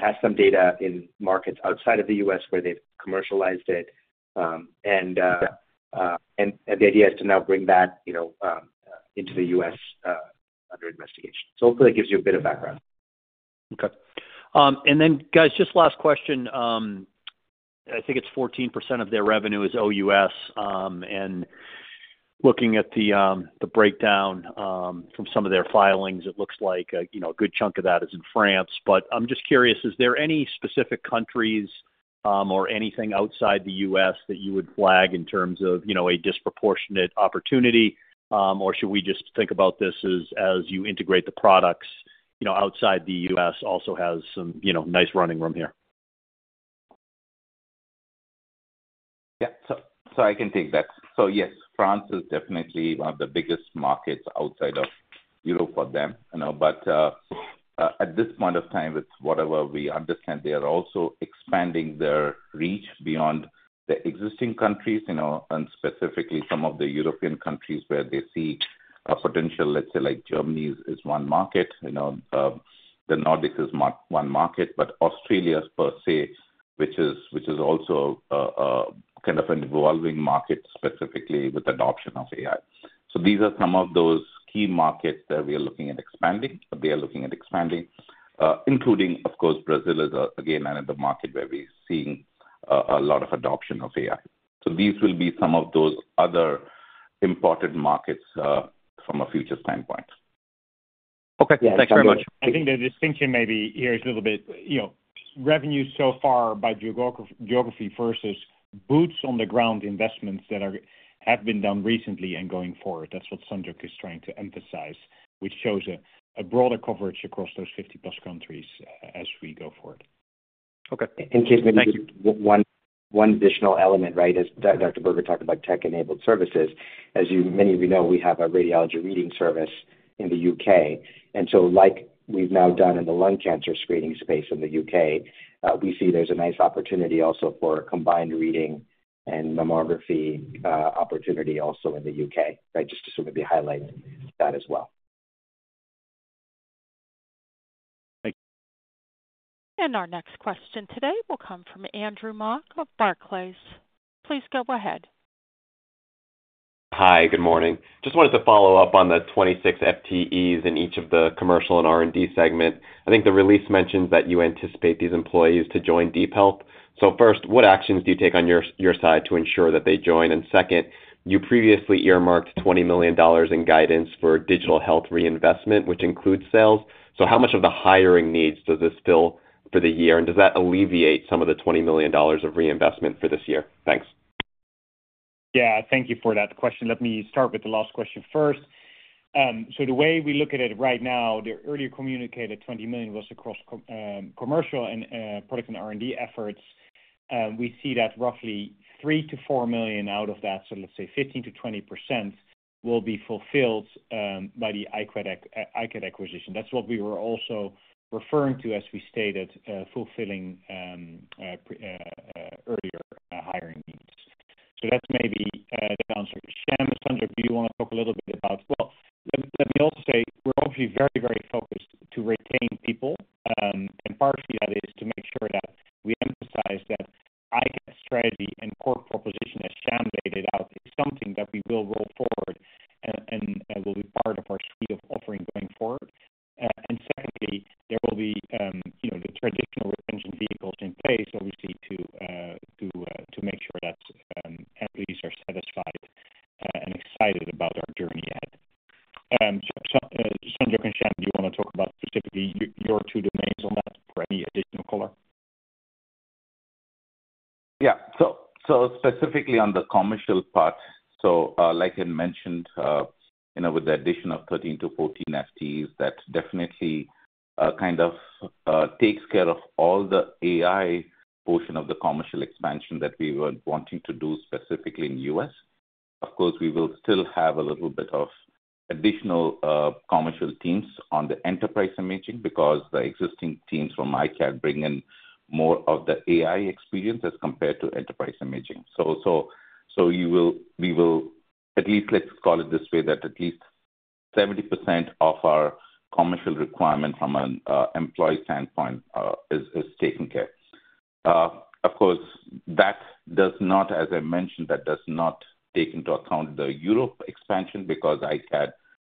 S7: has some data in markets outside of the U.S. where they've commercialized it. The idea is to now bring that into the US under investigation. Hopefully, it gives you a bit of background.
S9: Okay. Guys, just last question. I think it's 14% of their revenue is OUS. Looking at the breakdown from some of their filings, it looks like a good chunk of that is in France. I'm just curious, is there any specific countries or anything outside the U.S. that you would flag in terms of a disproportionate opportunity, or should we just think about this as you integrate the products outside the U.S. also has some nice running room here?
S7: Yeah. I can take that. Yes, France is definitely one of the biggest markets outside of Europe for them. At this point of time, it's whatever we understand. They are also expanding their reach beyond the existing countries, and specifically some of the European countries where they see a potential, let's say, like Germany is one market. The Nordics is one market, but Australia per se, which is also kind of an evolving market specifically with adoption of AI. These are some of those key markets that we are looking at expanding, or they are looking at expanding, including, of course, Brazil is again another market where we're seeing a lot of adoption of AI. These will be some of those other important markets from a future standpoint.
S9: Okay. Thanks very much. I think the distinction maybe here is a little bit revenue so far by geography versus boots-on-the-ground investments that have been done recently and going forward. That's what Sunjog is trying to emphasize, which shows a broader coverage across those 50-plus countries as we go forward.
S6: Just one additional element, right, as Dr. Berger talked about tech-enabled services. As many of you know, we have a radiology reading service in the U.K. Like we've now done in the lung cancer screening space in the U.K., we see there's a nice opportunity also for combined reading and mammography opportunity also in the U.K., right, just to sort of highlight that as well.
S9: Thank you.
S1: Our next question today will come from Andrew Mock of Barclays. Please go ahead.
S10: Hi, good morning. Just wanted to follow up on the 26 FTEs in each of the commercial and R&D segments. I think the release mentions that you anticipate these employees to join DeepHealth. First, what actions do you take on your side to ensure that they join? You previously earmarked $20 million in guidance for digital health reinvestment, which includes sales. How much of the hiring needs does this fill for the year? Does that alleviate some of the $20 million of reinvestment for this year? Thanks.
S2: Yeah. Thank you for that question. Let me start with the last question first. The way we look at it right now, the earlier communicated $20 million was across commercial and product and R&D efforts. We see that roughly $3 million-$4 million out of that, so let's say 15%-20%, will be fulfilled by the iCAD acquisition. That is what we were also referring to as we stated, fulfilling earlier hiring needs. That is maybe the answer. Sham, Sunjog, do you want to talk a little bit about? I will also say we are obviously very, very focused to retain people. Partially, that is to make sure that we emphasize that the iCAD strategy and core proposition, as Sham laid it out, is something that we will roll forward and will be part of our suite of offering going forward. There will be the traditional retention vehicles in place, obviously, to make sure that employees are satisfied and excited about our journey ahead. Sunjog and Sham, do you want to talk about specifically your two domains on that? Or any additional color?
S7: Yeah. Specifically on the commercial part, like I mentioned, with the addition of 13 to 14 FTEs, that definitely kind of takes care of all the AI portion of the commercial expansion that we were wanting to do specifically in the U.S. Of course, we will still have a little bit of additional commercial teams on the enterprise imaging because the existing teams from iCAD bring in more of the AI experience as compared to enterprise imaging. We will at least, let's call it this way, that at least 70% of our commercial requirement from an employee standpoint is taken care of. Of course, that does not, as I mentioned, that does not take into account the Europe expansion because iCAD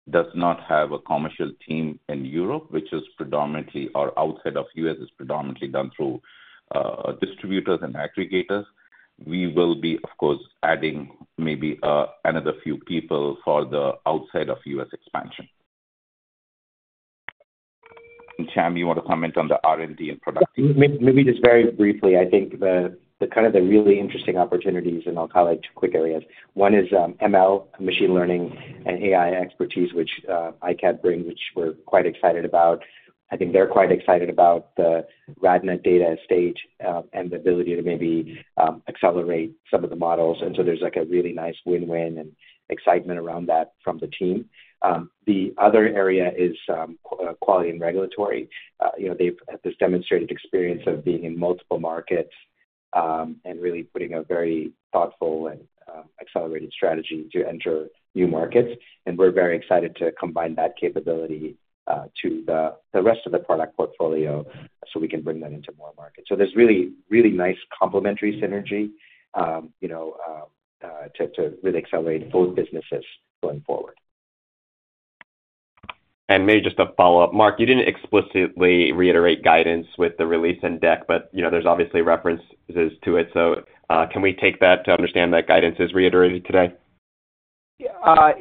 S7: does not have a commercial team in Europe, which is predominantly or outside of the U.S. is predominantly done through distributors and aggregators. We will be, of course, adding maybe another few people for the outside of U.S. expansion. Sham, do you want to comment on the R&D and product?
S2: Maybe just very briefly, I think the kind of the really interesting opportunities in our colleagues' quick areas. One is ML, machine learning, and AI expertise, which iCAD brings, which we're quite excited about. I think they're quite excited about the RadNet data estate and the ability to maybe accelerate some of the models. There is a really nice win-win and excitement around that from the team. The other area is quality and regulatory. They've had this demonstrated experience of being in multiple markets and really putting a very thoughtful and accelerated strategy to enter new markets. We are very excited to combine that capability to the rest of the product portfolio so we can bring that into more markets. There is really, really nice complementary synergy to really accelerate both businesses going forward.
S10: Maybe just a follow-up. Mark, you did not explicitly reiterate guidance with the release and deck, but there are obviously references to it. Can we take that to understand that guidance is reiterated today?
S2: Yeah.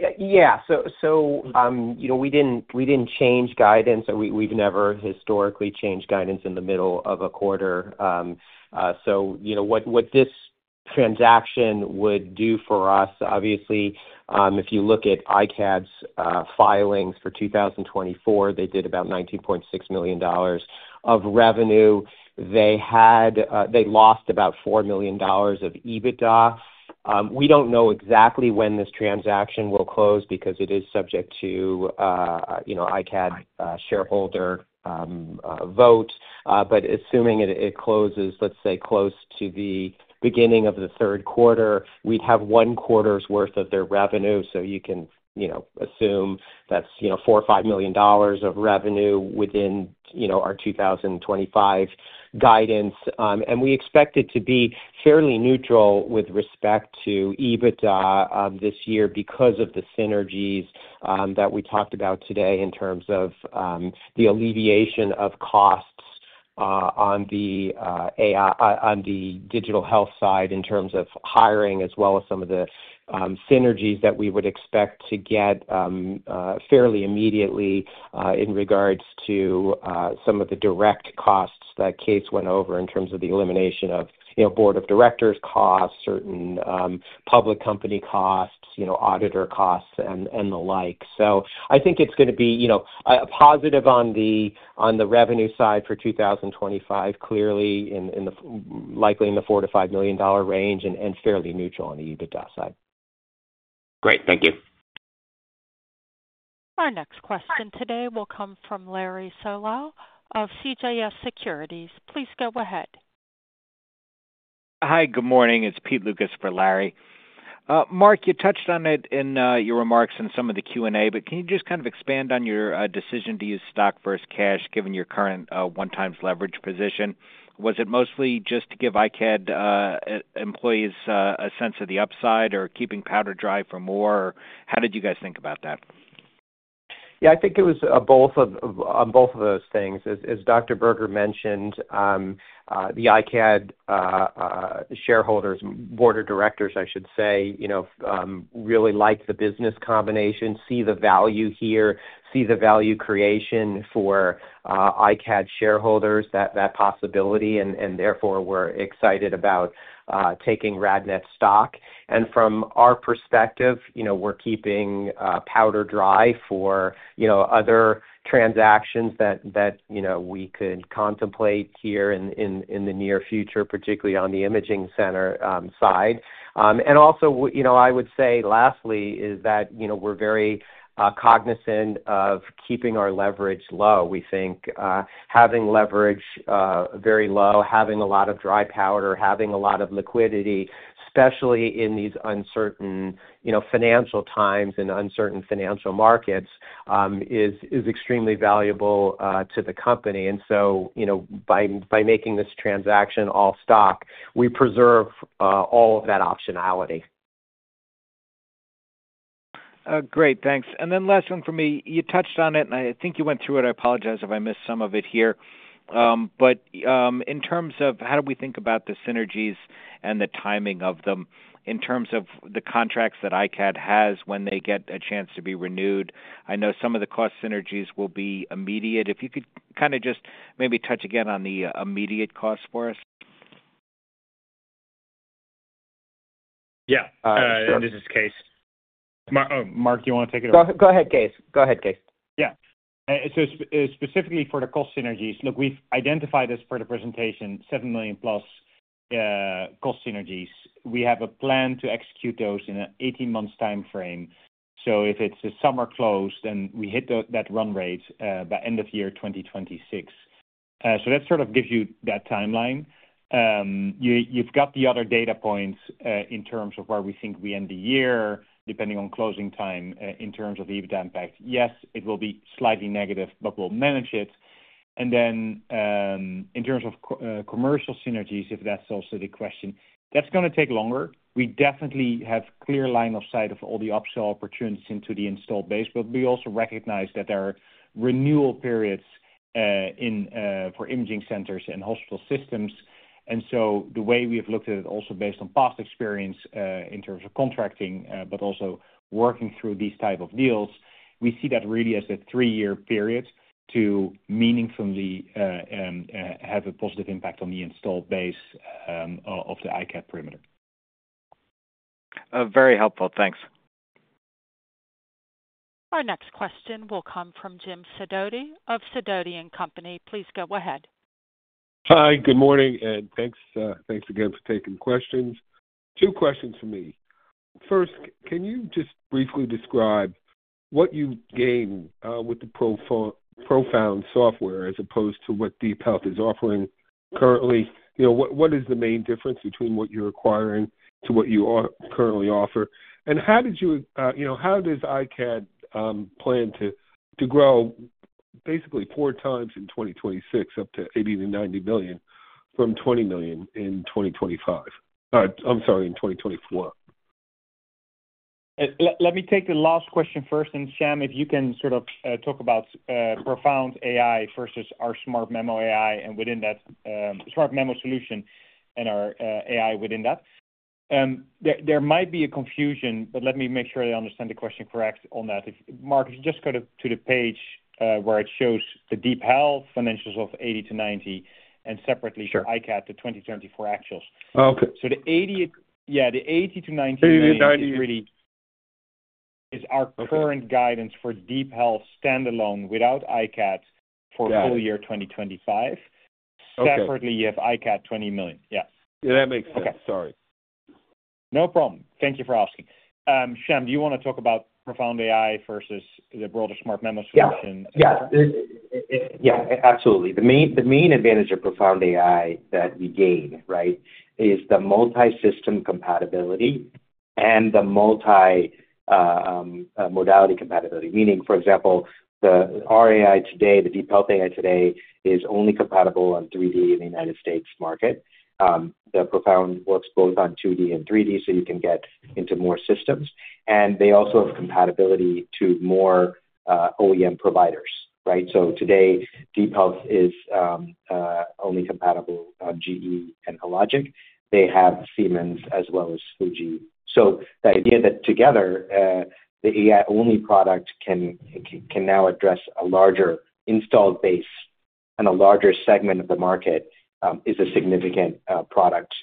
S2: We didn't change guidance. We've never historically changed guidance in the middle of a quarter. What this transaction would do for us, obviously, if you look at iCAD's filings for 2024, they did about $19.6 million of revenue. They lost about $4 million of EBITDA. We don't know exactly when this transaction will close because it is subject to iCAD shareholder vote. Assuming it closes, let's say, close to the beginning of the third quarter, we'd have one quarter's worth of their revenue. You can assume that's $4 million-$5 million of revenue within our 2025 guidance. We expect it to be fairly neutral with respect to EBITDA this year because of the synergies that we talked about today in terms of the alleviation of costs on the digital health side in terms of hiring, as well as some of the synergies that we would expect to get fairly immediately in regards to some of the direct costs that Kees went over in terms of the elimination of board of directors costs, certain public company costs, auditor costs, and the like. I think it is going to be a positive on the revenue side for 2025, clearly likely in the $4 million-$5 million range and fairly neutral on the EBITDA side. Great. Thank you.
S1: Our next question today will come from Larry Solo of CJS Securities. Please go ahead.
S11: Hi, good morning. It's Pete Lucas for Larry. Mark, you touched on it in your remarks in some of the Q&A, but can you just kind of expand on your decision to use stock versus cash given your current one-time leverage position? Was it mostly just to give iCAD employees a sense of the upside or keeping powder dry for more? How did you guys think about that?
S2: Yeah, I think it was both of those things. As Dr. Berger mentioned, the iCAD shareholders, board of directors, I should say, really like the business combination, see the value here, see the value creation for iCAD shareholders, that possibility. We are excited about taking RadNet stock. From our perspective, we are keeping powder dry for other transactions that we could contemplate here in the near future, particularly on the imaging center side. Lastly, we are very cognizant of keeping our leverage low. We think having leverage very low, having a lot of dry powder, having a lot of liquidity, especially in these uncertain financial times and uncertain financial markets, is extremely valuable to the company. By making this transaction all stock, we preserve all of that optionality.
S11: Great. Thanks. Last one for me. You touched on it, and I think you went through it. I apologize if I missed some of it here. In terms of how do we think about the synergies and the timing of them in terms of the contracts that iCAD has when they get a chance to be renewed? I know some of the cost synergies will be immediate. If you could kind of just maybe touch again on the immediate cost for us.
S5: Yeah. This is Kees. Mark, you want to take it over?
S2: Go ahead, Kees. Go ahead, Kees.
S5: Yeah. Specifically for the cost synergies, look, we've identified this for the presentation, $7 million-plus cost synergies. We have a plan to execute those in an 18-month time frame. If it's a summer close, then we hit that run rate by end of year 2026. That sort of gives you that timeline. You've got the other data points in terms of where we think we end the year depending on closing time in terms of EBITDA impact. Yes, it will be slightly negative, but we'll manage it. In terms of commercial synergies, if that's also the question, that's going to take longer. We definitely have a clear line of sight of all the upsell opportunities into the installed base. We also recognize that there are renewal periods for imaging centers and hospital systems. The way we have looked at it, also based on past experience in terms of contracting, but also working through these types of deals, we see that really as a three-year period to meaningfully have a positive impact on the installed base of the iCAD perimeter.
S11: Very helpful. Thanks.
S1: Our next question will come from Jim Sidoti of Sidoti & Company. Please go ahead.
S12: Hi, good morning. Thanks again for taking questions. Two questions for me. First, can you just briefly describe what you gain with the Profound software as opposed to what DeepHealth is offering currently? What is the main difference between what you're acquiring to what you currently offer? How does iCAD plan to grow basically four times in 2026, up to $80 million-$90 million from $20 million in 2025? I'm sorry, in 2024.
S2: Let me take the last question first. Sham, if you can sort of talk about ProFound AI versus our SmartMammo AI and within that SmartMammo solution and our AI within that. There might be a confusion, but let me make sure I understand the question correct on that. Mark, if you just go to the page where it shows the DeepHealth financials of $80 million-$90 million and separately for iCAD, the 2024 actuals. The $80 million-$90 million is really our current guidance for DeepHealth standalone without iCAD for full year 2025. Separately, you have iCAD $20 million. Yeah.
S12: Yeah, that makes sense. Sorry.
S2: No problem. Thank you for asking. Sham, do you want to talk about Profound AI versus the broader SmartMammo solution?
S7: Yeah. Yeah. Absolutely. The main advantage of ProFound AI that we gain, right, is the multi-system compatibility and the multi-modality compatibility. Meaning, for example, our AI today, the DeepHealth AI today, is only compatible on 3D in the United States market. The ProFound works both on 2D and 3D, so you can get into more systems. They also have compatibility to more OEM providers, right? Today, DeepHealth is only compatible on GE and Hologic. They have Siemens as well as Fujifilm. The idea that together, the AI-only product can now address a larger installed base and a larger segment of the market is a significant product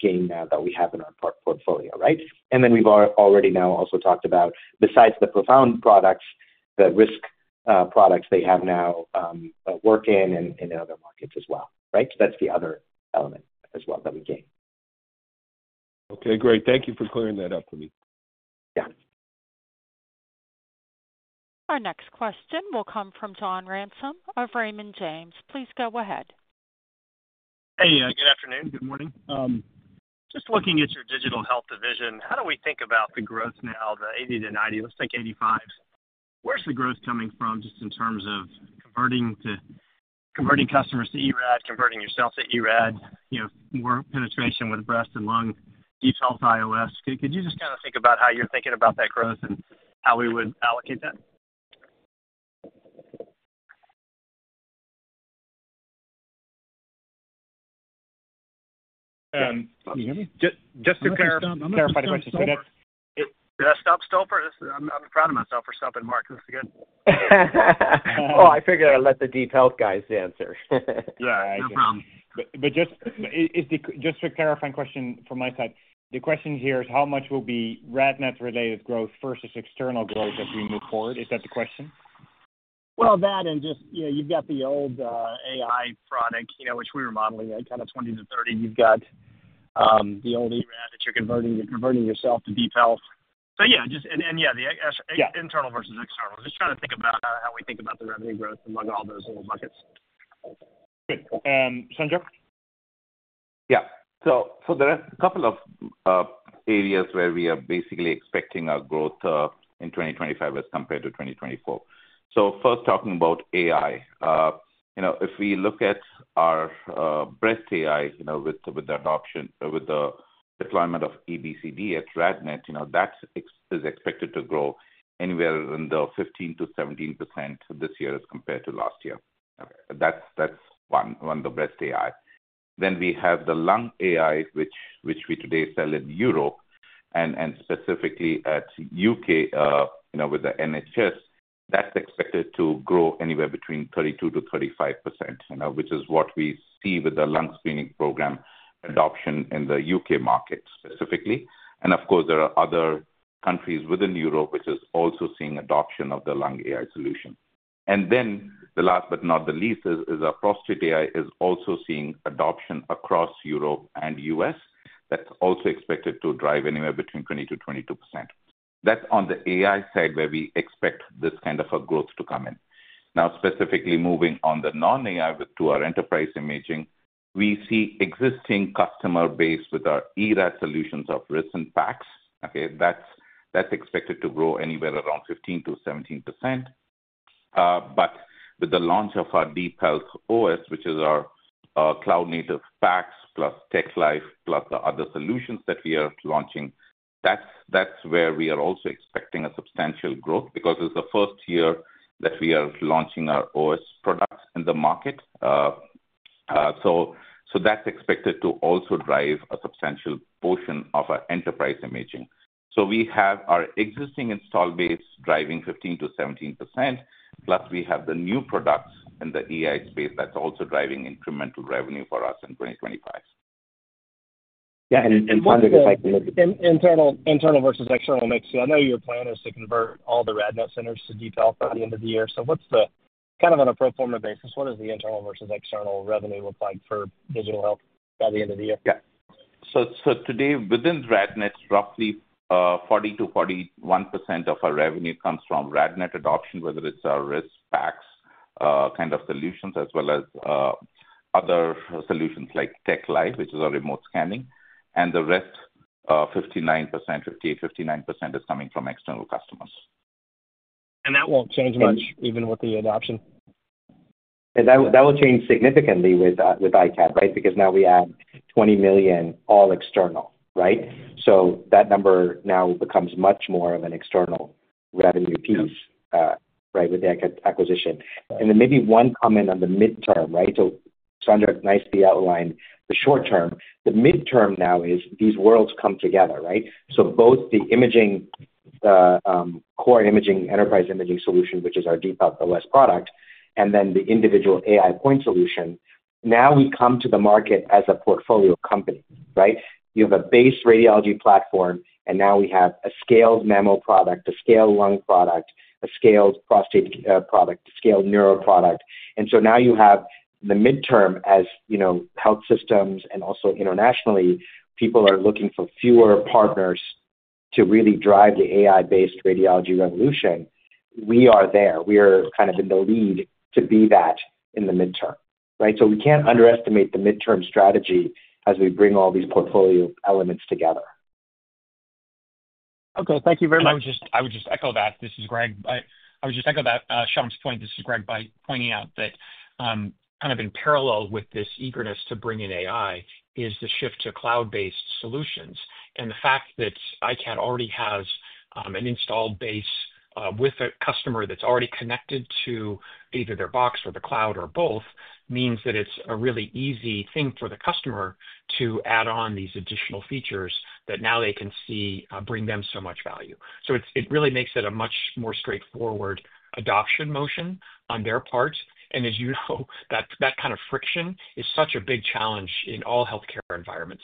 S7: gain that we have in our portfolio, right? We have already now also talked about, besides the ProFound products, the risk products they have now work in and in other markets as well, right?
S2: That's the other element as well that we gain.
S3: Okay. Great. Thank you for clearing that up for me.
S2: Yeah.
S1: Our next question will come from John Ransom of Raymond James. Please go ahead.
S13: Hey, good afternoon. Good morning. Just looking at your digital health division, how do we think about the growth now, the 80-90? Let's think 85s. Where's the growth coming from just in terms of converting customers to eRAD, converting yourself to eRAD, more penetration with breast and lung, DeepHealth OS? Could you just kind of think about how you're thinking about that growth and how we would allocate that?
S2: Can you hear me? Just to clarify the question.
S13: Did I stop stopping? I'm proud of myself for stopping, Mark. This is good.
S2: Oh, I figured I'd let the DeepHealth guys answer.
S13: Yeah. No problem. Just to clarify the question from my side, the question here is how much will be RadNet-related growth versus external growth as we move forward? Is that the question?
S2: That and just you've got the old AI product, which we were modeling at kind of 20-30. You've got the old eRAD that you're converting yourself to DeepHealth. Yeah, just and yeah, the internal versus external. Just trying to think about how we think about the revenue growth among all those little buckets.
S13: Good. Sanjay?
S6: Yeah. There are a couple of areas where we are basically expecting our growth in 2025 as compared to 2024. First, talking about AI. If we look at our breast AI with the deployment of EBCD at RadNet, that is expected to grow anywhere in the 15%-17% this year as compared to last year. That's one, the breast AI. Then we have the lung AI, which we today sell in Europe and specifically at the U.K. with the NHS. That's expected to grow anywhere between 32%-35%, which is what we see with the lung screening program adoption in the U.K. market specifically. Of course, there are other countries within Europe which are also seeing adoption of the lung AI solution. Last but not least is our prostate AI, which is also seeing adoption across Europe and the U.S. That's also expected to drive anywhere between 20-22%. That's on the AI side where we expect this kind of a growth to come in. Now, specifically moving on the non-AI to our enterprise imaging, we see existing customer base with our eRAD solutions of RIS and PACS. Okay? That's expected to grow anywhere around 15-17%. With the launch of our DeepHealth OS, which is our cloud-native PACS plus TechLive plus the other solutions that we are launching, that's where we are also expecting a substantial growth because it's the first year that we are launching our OS products in the market. That's expected to also drive a substantial portion of our enterprise imaging. We have our existing installed base driving 15-17%, plus we have the new products in the EI space that are also driving incremental revenue for us in 2025.
S2: Yeah. And Sanjay, if I can—
S13: Internal versus external mix. I know your plan is to convert all the RadNet centers to DeepHealth by the end of the year. So kind of on a pro forma basis, what does the internal versus external revenue look like for digital health by the end of the year?
S6: Yeah. Today, within RadNet, roughly 40-41% of our revenue comes from RadNet adoption, whether it's our RIS, PACS kind of solutions, as well as other solutions like TechLive, which is our remote scanning. The rest, 58-59%, is coming from external customers.
S13: That won't change much, even with the adoption?
S2: That will change significantly with iCAD, right? Because now we add $20 million all external, right? So that number now becomes much more of an external revenue piece, right, with the acquisition. Maybe one comment on the midterm, right? Sanjay nicely outlined the short term. The midterm now is these worlds come together, right? Both the core imaging enterprise imaging solution, which is our DeepHealth OS product, and then the individual AI point solution. Now we come to the market as a portfolio company, right? You have a base radiology platform, and now we have a scaled memo product, a scaled lung product, a scaled prostate product, a scaled neuro product. Now you have the midterm as health systems and also internationally, people are looking for fewer partners to really drive the AI-based radiology revolution. We are there. We are kind of in the lead to be that in the midterm, right? We can't underestimate the midterm strategy as we bring all these portfolio elements together.
S13: Okay. Thank you very much.
S4: I would just echo that. This is Greg. I would just echo Shawn's point. This is Greg by pointing out that kind of in parallel with this eagerness to bring in AI is the shift to cloud-based solutions. The fact that iCAD already has an installed base with a customer that's already connected to either their box or the cloud or both means that it's a really easy thing for the customer to add on these additional features that now they can see bring them so much value. It really makes it a much more straightforward adoption motion on their part. As you know, that kind of friction is such a big challenge in all healthcare environments.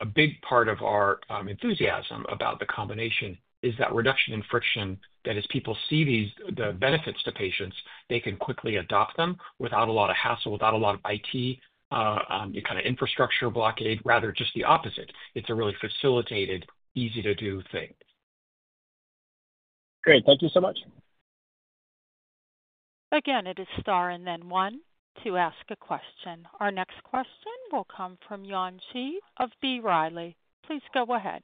S4: A big part of our enthusiasm about the combination is that reduction in friction that as people see the benefits to patients, they can quickly adopt them without a lot of hassle, without a lot of IT kind of infrastructure blockade, rather just the opposite. It's a really facilitated, easy-to-do thing.
S13: Great. Thank you so much.
S1: Again, it is star and then one to ask a question. Our next question will come from Yuanqi of B. Riley. Please go ahead.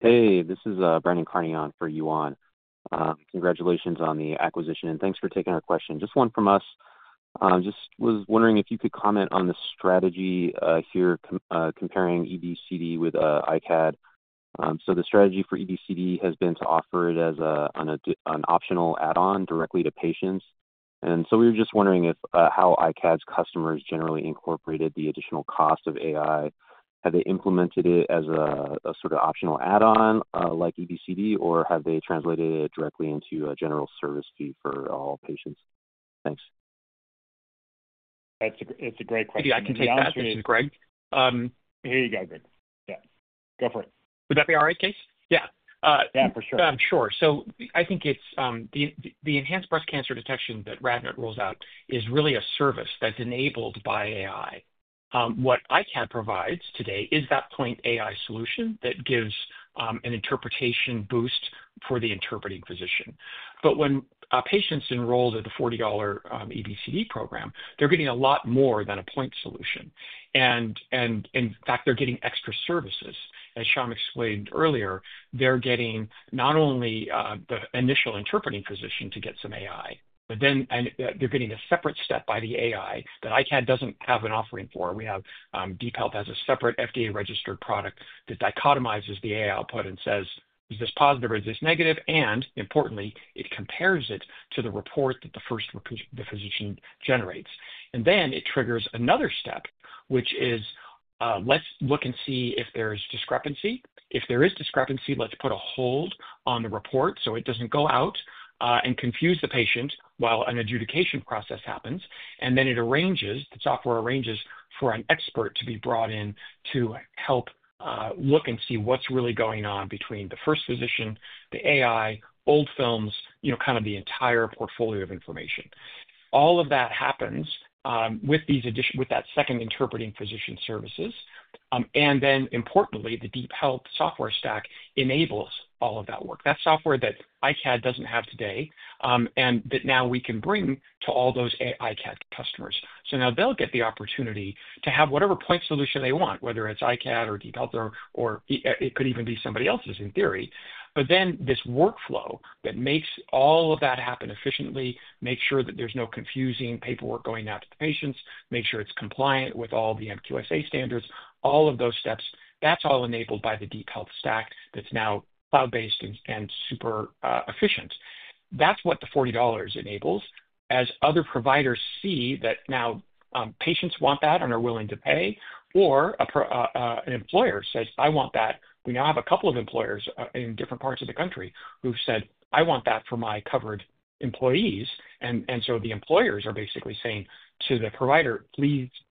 S1: Hey, this is Brendan Carneon for Yuan. Congratulations on the acquisition. Thanks for taking our question. Just one from us. Just was wondering if you could comment on the strategy here comparing EBCD with iCAD. The strategy for EBCD has been to offer it as an optional add-on directly to patients. We were just wondering how iCAD's customers generally incorporated the additional cost of AI. Have they implemented it as a sort of optional add-on like EBCD, or have they translated it directly into a general service fee for all patients? Thanks.
S2: That's a great question.
S4: Hey, I can take that question, Greg.
S2: Here you go, Greg. Yeah. Go for it.
S4: Would that be all right, Kees?
S5: Yeah.
S4: Yeah, for sure. Sure. I think the Enhanced Breast Cancer Detection that RadNet rolls out is really a service that's enabled by AI. What iCAD provides today is that point AI solution that gives an interpretation boost for the interpreting physician. When patients enroll at the $40 EBCD program, they're getting a lot more than a point solution. In fact, they're getting extra services. As Sham explained earlier, they're getting not only the initial interpreting physician to get some AI, but then they're getting a separate step by the AI that iCAD doesn't have an offering for. We have DeepHealth as a separate FDA-registered product that dichotomizes the AI output and says, "Is this positive or is this negative?" Importantly, it compares it to the report that the physician generates. It triggers another step, which is, "Let's look and see if there is discrepancy. If there is discrepancy, let's put a hold on the report so it doesn't go out and confuse the patient while an adjudication process happens. It arranges, the software arranges for an expert to be brought in to help look and see what's really going on between the first physician, the AI, old films, kind of the entire portfolio of information. All of that happens with that second interpreting physician services. Importantly, the DeepHealth software stack enables all of that work. That's software that iCAD doesn't have today and that now we can bring to all those iCAD customers. Now they'll get the opportunity to have whatever point solution they want, whether it's iCAD or DeepHealth or it could even be somebody else's in theory. Then this workflow that makes all of that happen efficiently makes sure that there's no confusing paperwork going out to the patients, makes sure it's compliant with all the MQSA standards, all of those steps, that's all enabled by the DeepHealth stack that's now cloud-based and super efficient. That's what the $40 enables. As other providers see that now patients want that and are willing to pay, or an employer says, "I want that." We now have a couple of employers in different parts of the country who've said, "I want that for my covered employees." The employers are basically saying to the provider,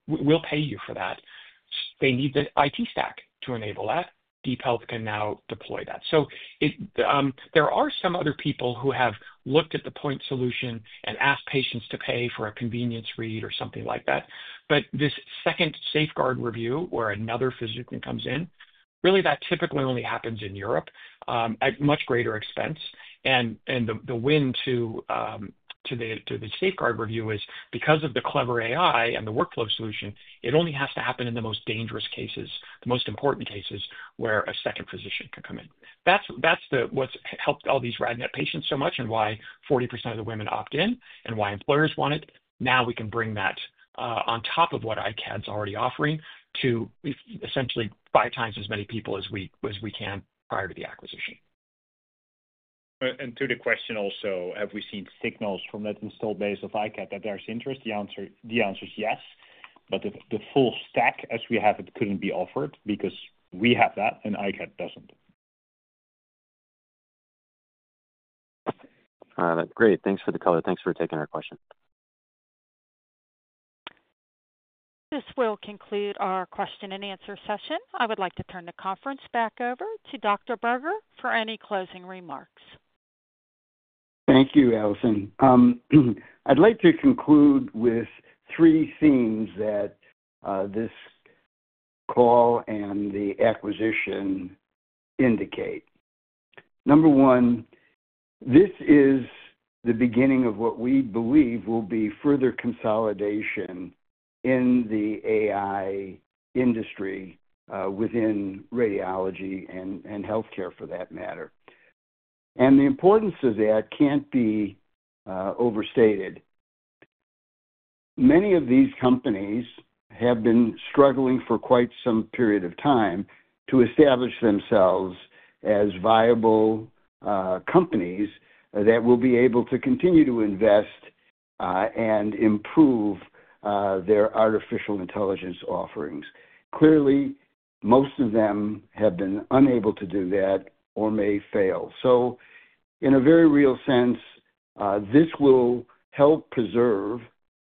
S4: "We'll pay you for that." They need the IT stack to enable that. DeepHealth can now deploy that. There are some other people who have looked at the point solution and asked patients to pay for a convenience read or something like that. This second safeguard review where another physician comes in, really that typically only happens in Europe at much greater expense. The win to the safeguard review is because of the clever AI and the workflow solution, it only has to happen in the most dangerous cases, the most important cases where a second physician can come in. That's what's helped all these RadNet patients so much and why 40% of the women opt in and why employers want it. Now we can bring that on top of what iCAD's already offering to essentially five times as many people as we can prior to the acquisition.
S5: To the question also, have we seen signals from that installed base of iCAD that there's interest? The answer is yes. The full stack as we have it couldn't be offered because we have that and iCAD doesn't.
S13: That's great. Thanks for the color. Thanks for taking our question.
S1: This will conclude our question and answer session. I would like to turn the conference back over to Dr. Berger for any closing remarks.
S3: Thank you, Alison. I'd like to conclude with three themes that this call and the acquisition indicate. Number one, this is the beginning of what we believe will be further consolidation in the AI industry within radiology and healthcare for that matter. The importance of that can't be overstated. Many of these companies have been struggling for quite some period of time to establish themselves as viable companies that will be able to continue to invest and improve their artificial intelligence offerings. Clearly, most of them have been unable to do that or may fail. In a very real sense, this will help preserve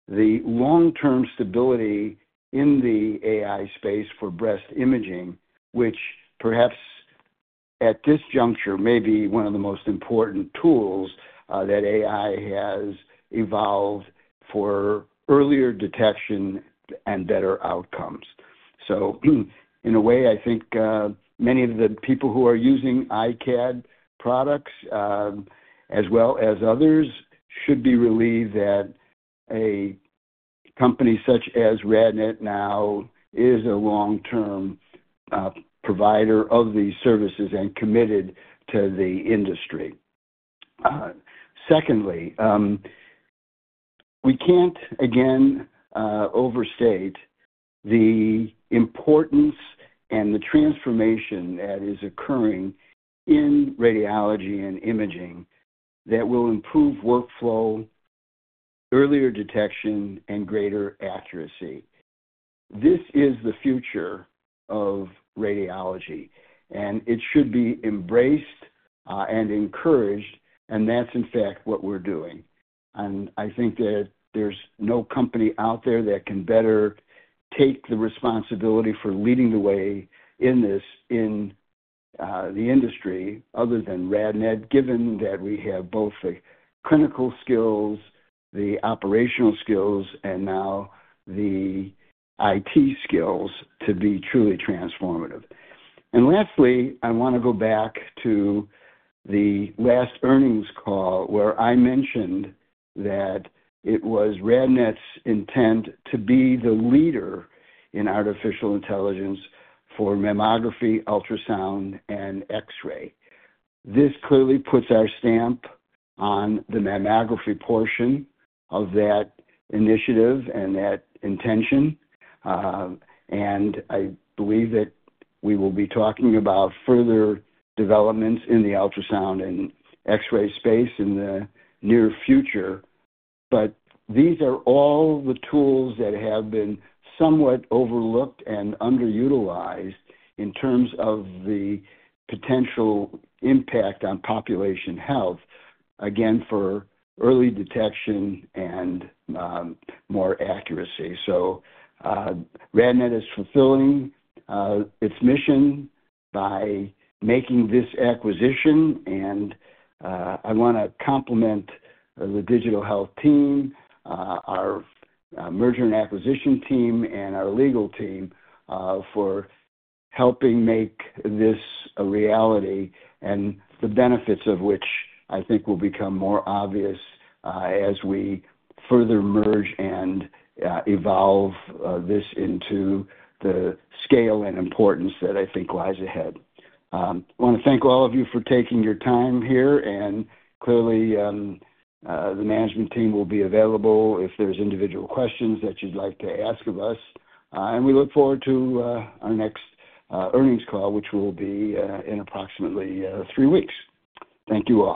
S3: the long-term stability in the AI space for breast imaging, which perhaps at this juncture may be one of the most important tools that AI has evolved for earlier detection and better outcomes. In a way, I think many of the people who are using iCAD products as well as others should be relieved that a company such as RadNet now is a long-term provider of these services and committed to the industry. Secondly, we can't again overstate the importance and the transformation that is occurring in radiology and imaging that will improve workflow, earlier detection, and greater accuracy. This is the future of radiology, and it should be embraced and encouraged, and that's in fact what we're doing. I think that there's no company out there that can better take the responsibility for leading the way in this in the industry other than RadNet, given that we have both the clinical skills, the operational skills, and now the IT skills to be truly transformative. Lastly, I want to go back to the last earnings call where I mentioned that it was RadNet's intent to be the leader in artificial intelligence for mammography, ultrasound, and X-ray. This clearly puts our stamp on the mammography portion of that initiative and that intention. I believe that we will be talking about further developments in the ultrasound and X-ray space in the near future. These are all the tools that have been somewhat overlooked and underutilized in terms of the potential impact on population health, again, for early detection and more accuracy. RadNet is fulfilling its mission by making this acquisition. I want to compliment the digital health team, our merger and acquisition team, and our legal team for helping make this a reality and the benefits of which I think will become more obvious as we further merge and evolve this into the scale and importance that I think lies ahead. I want to thank all of you for taking your time here. Clearly, the management team will be available if there's individual questions that you'd like to ask of us. We look forward to our next earnings call, which will be in approximately three weeks. Thank you all.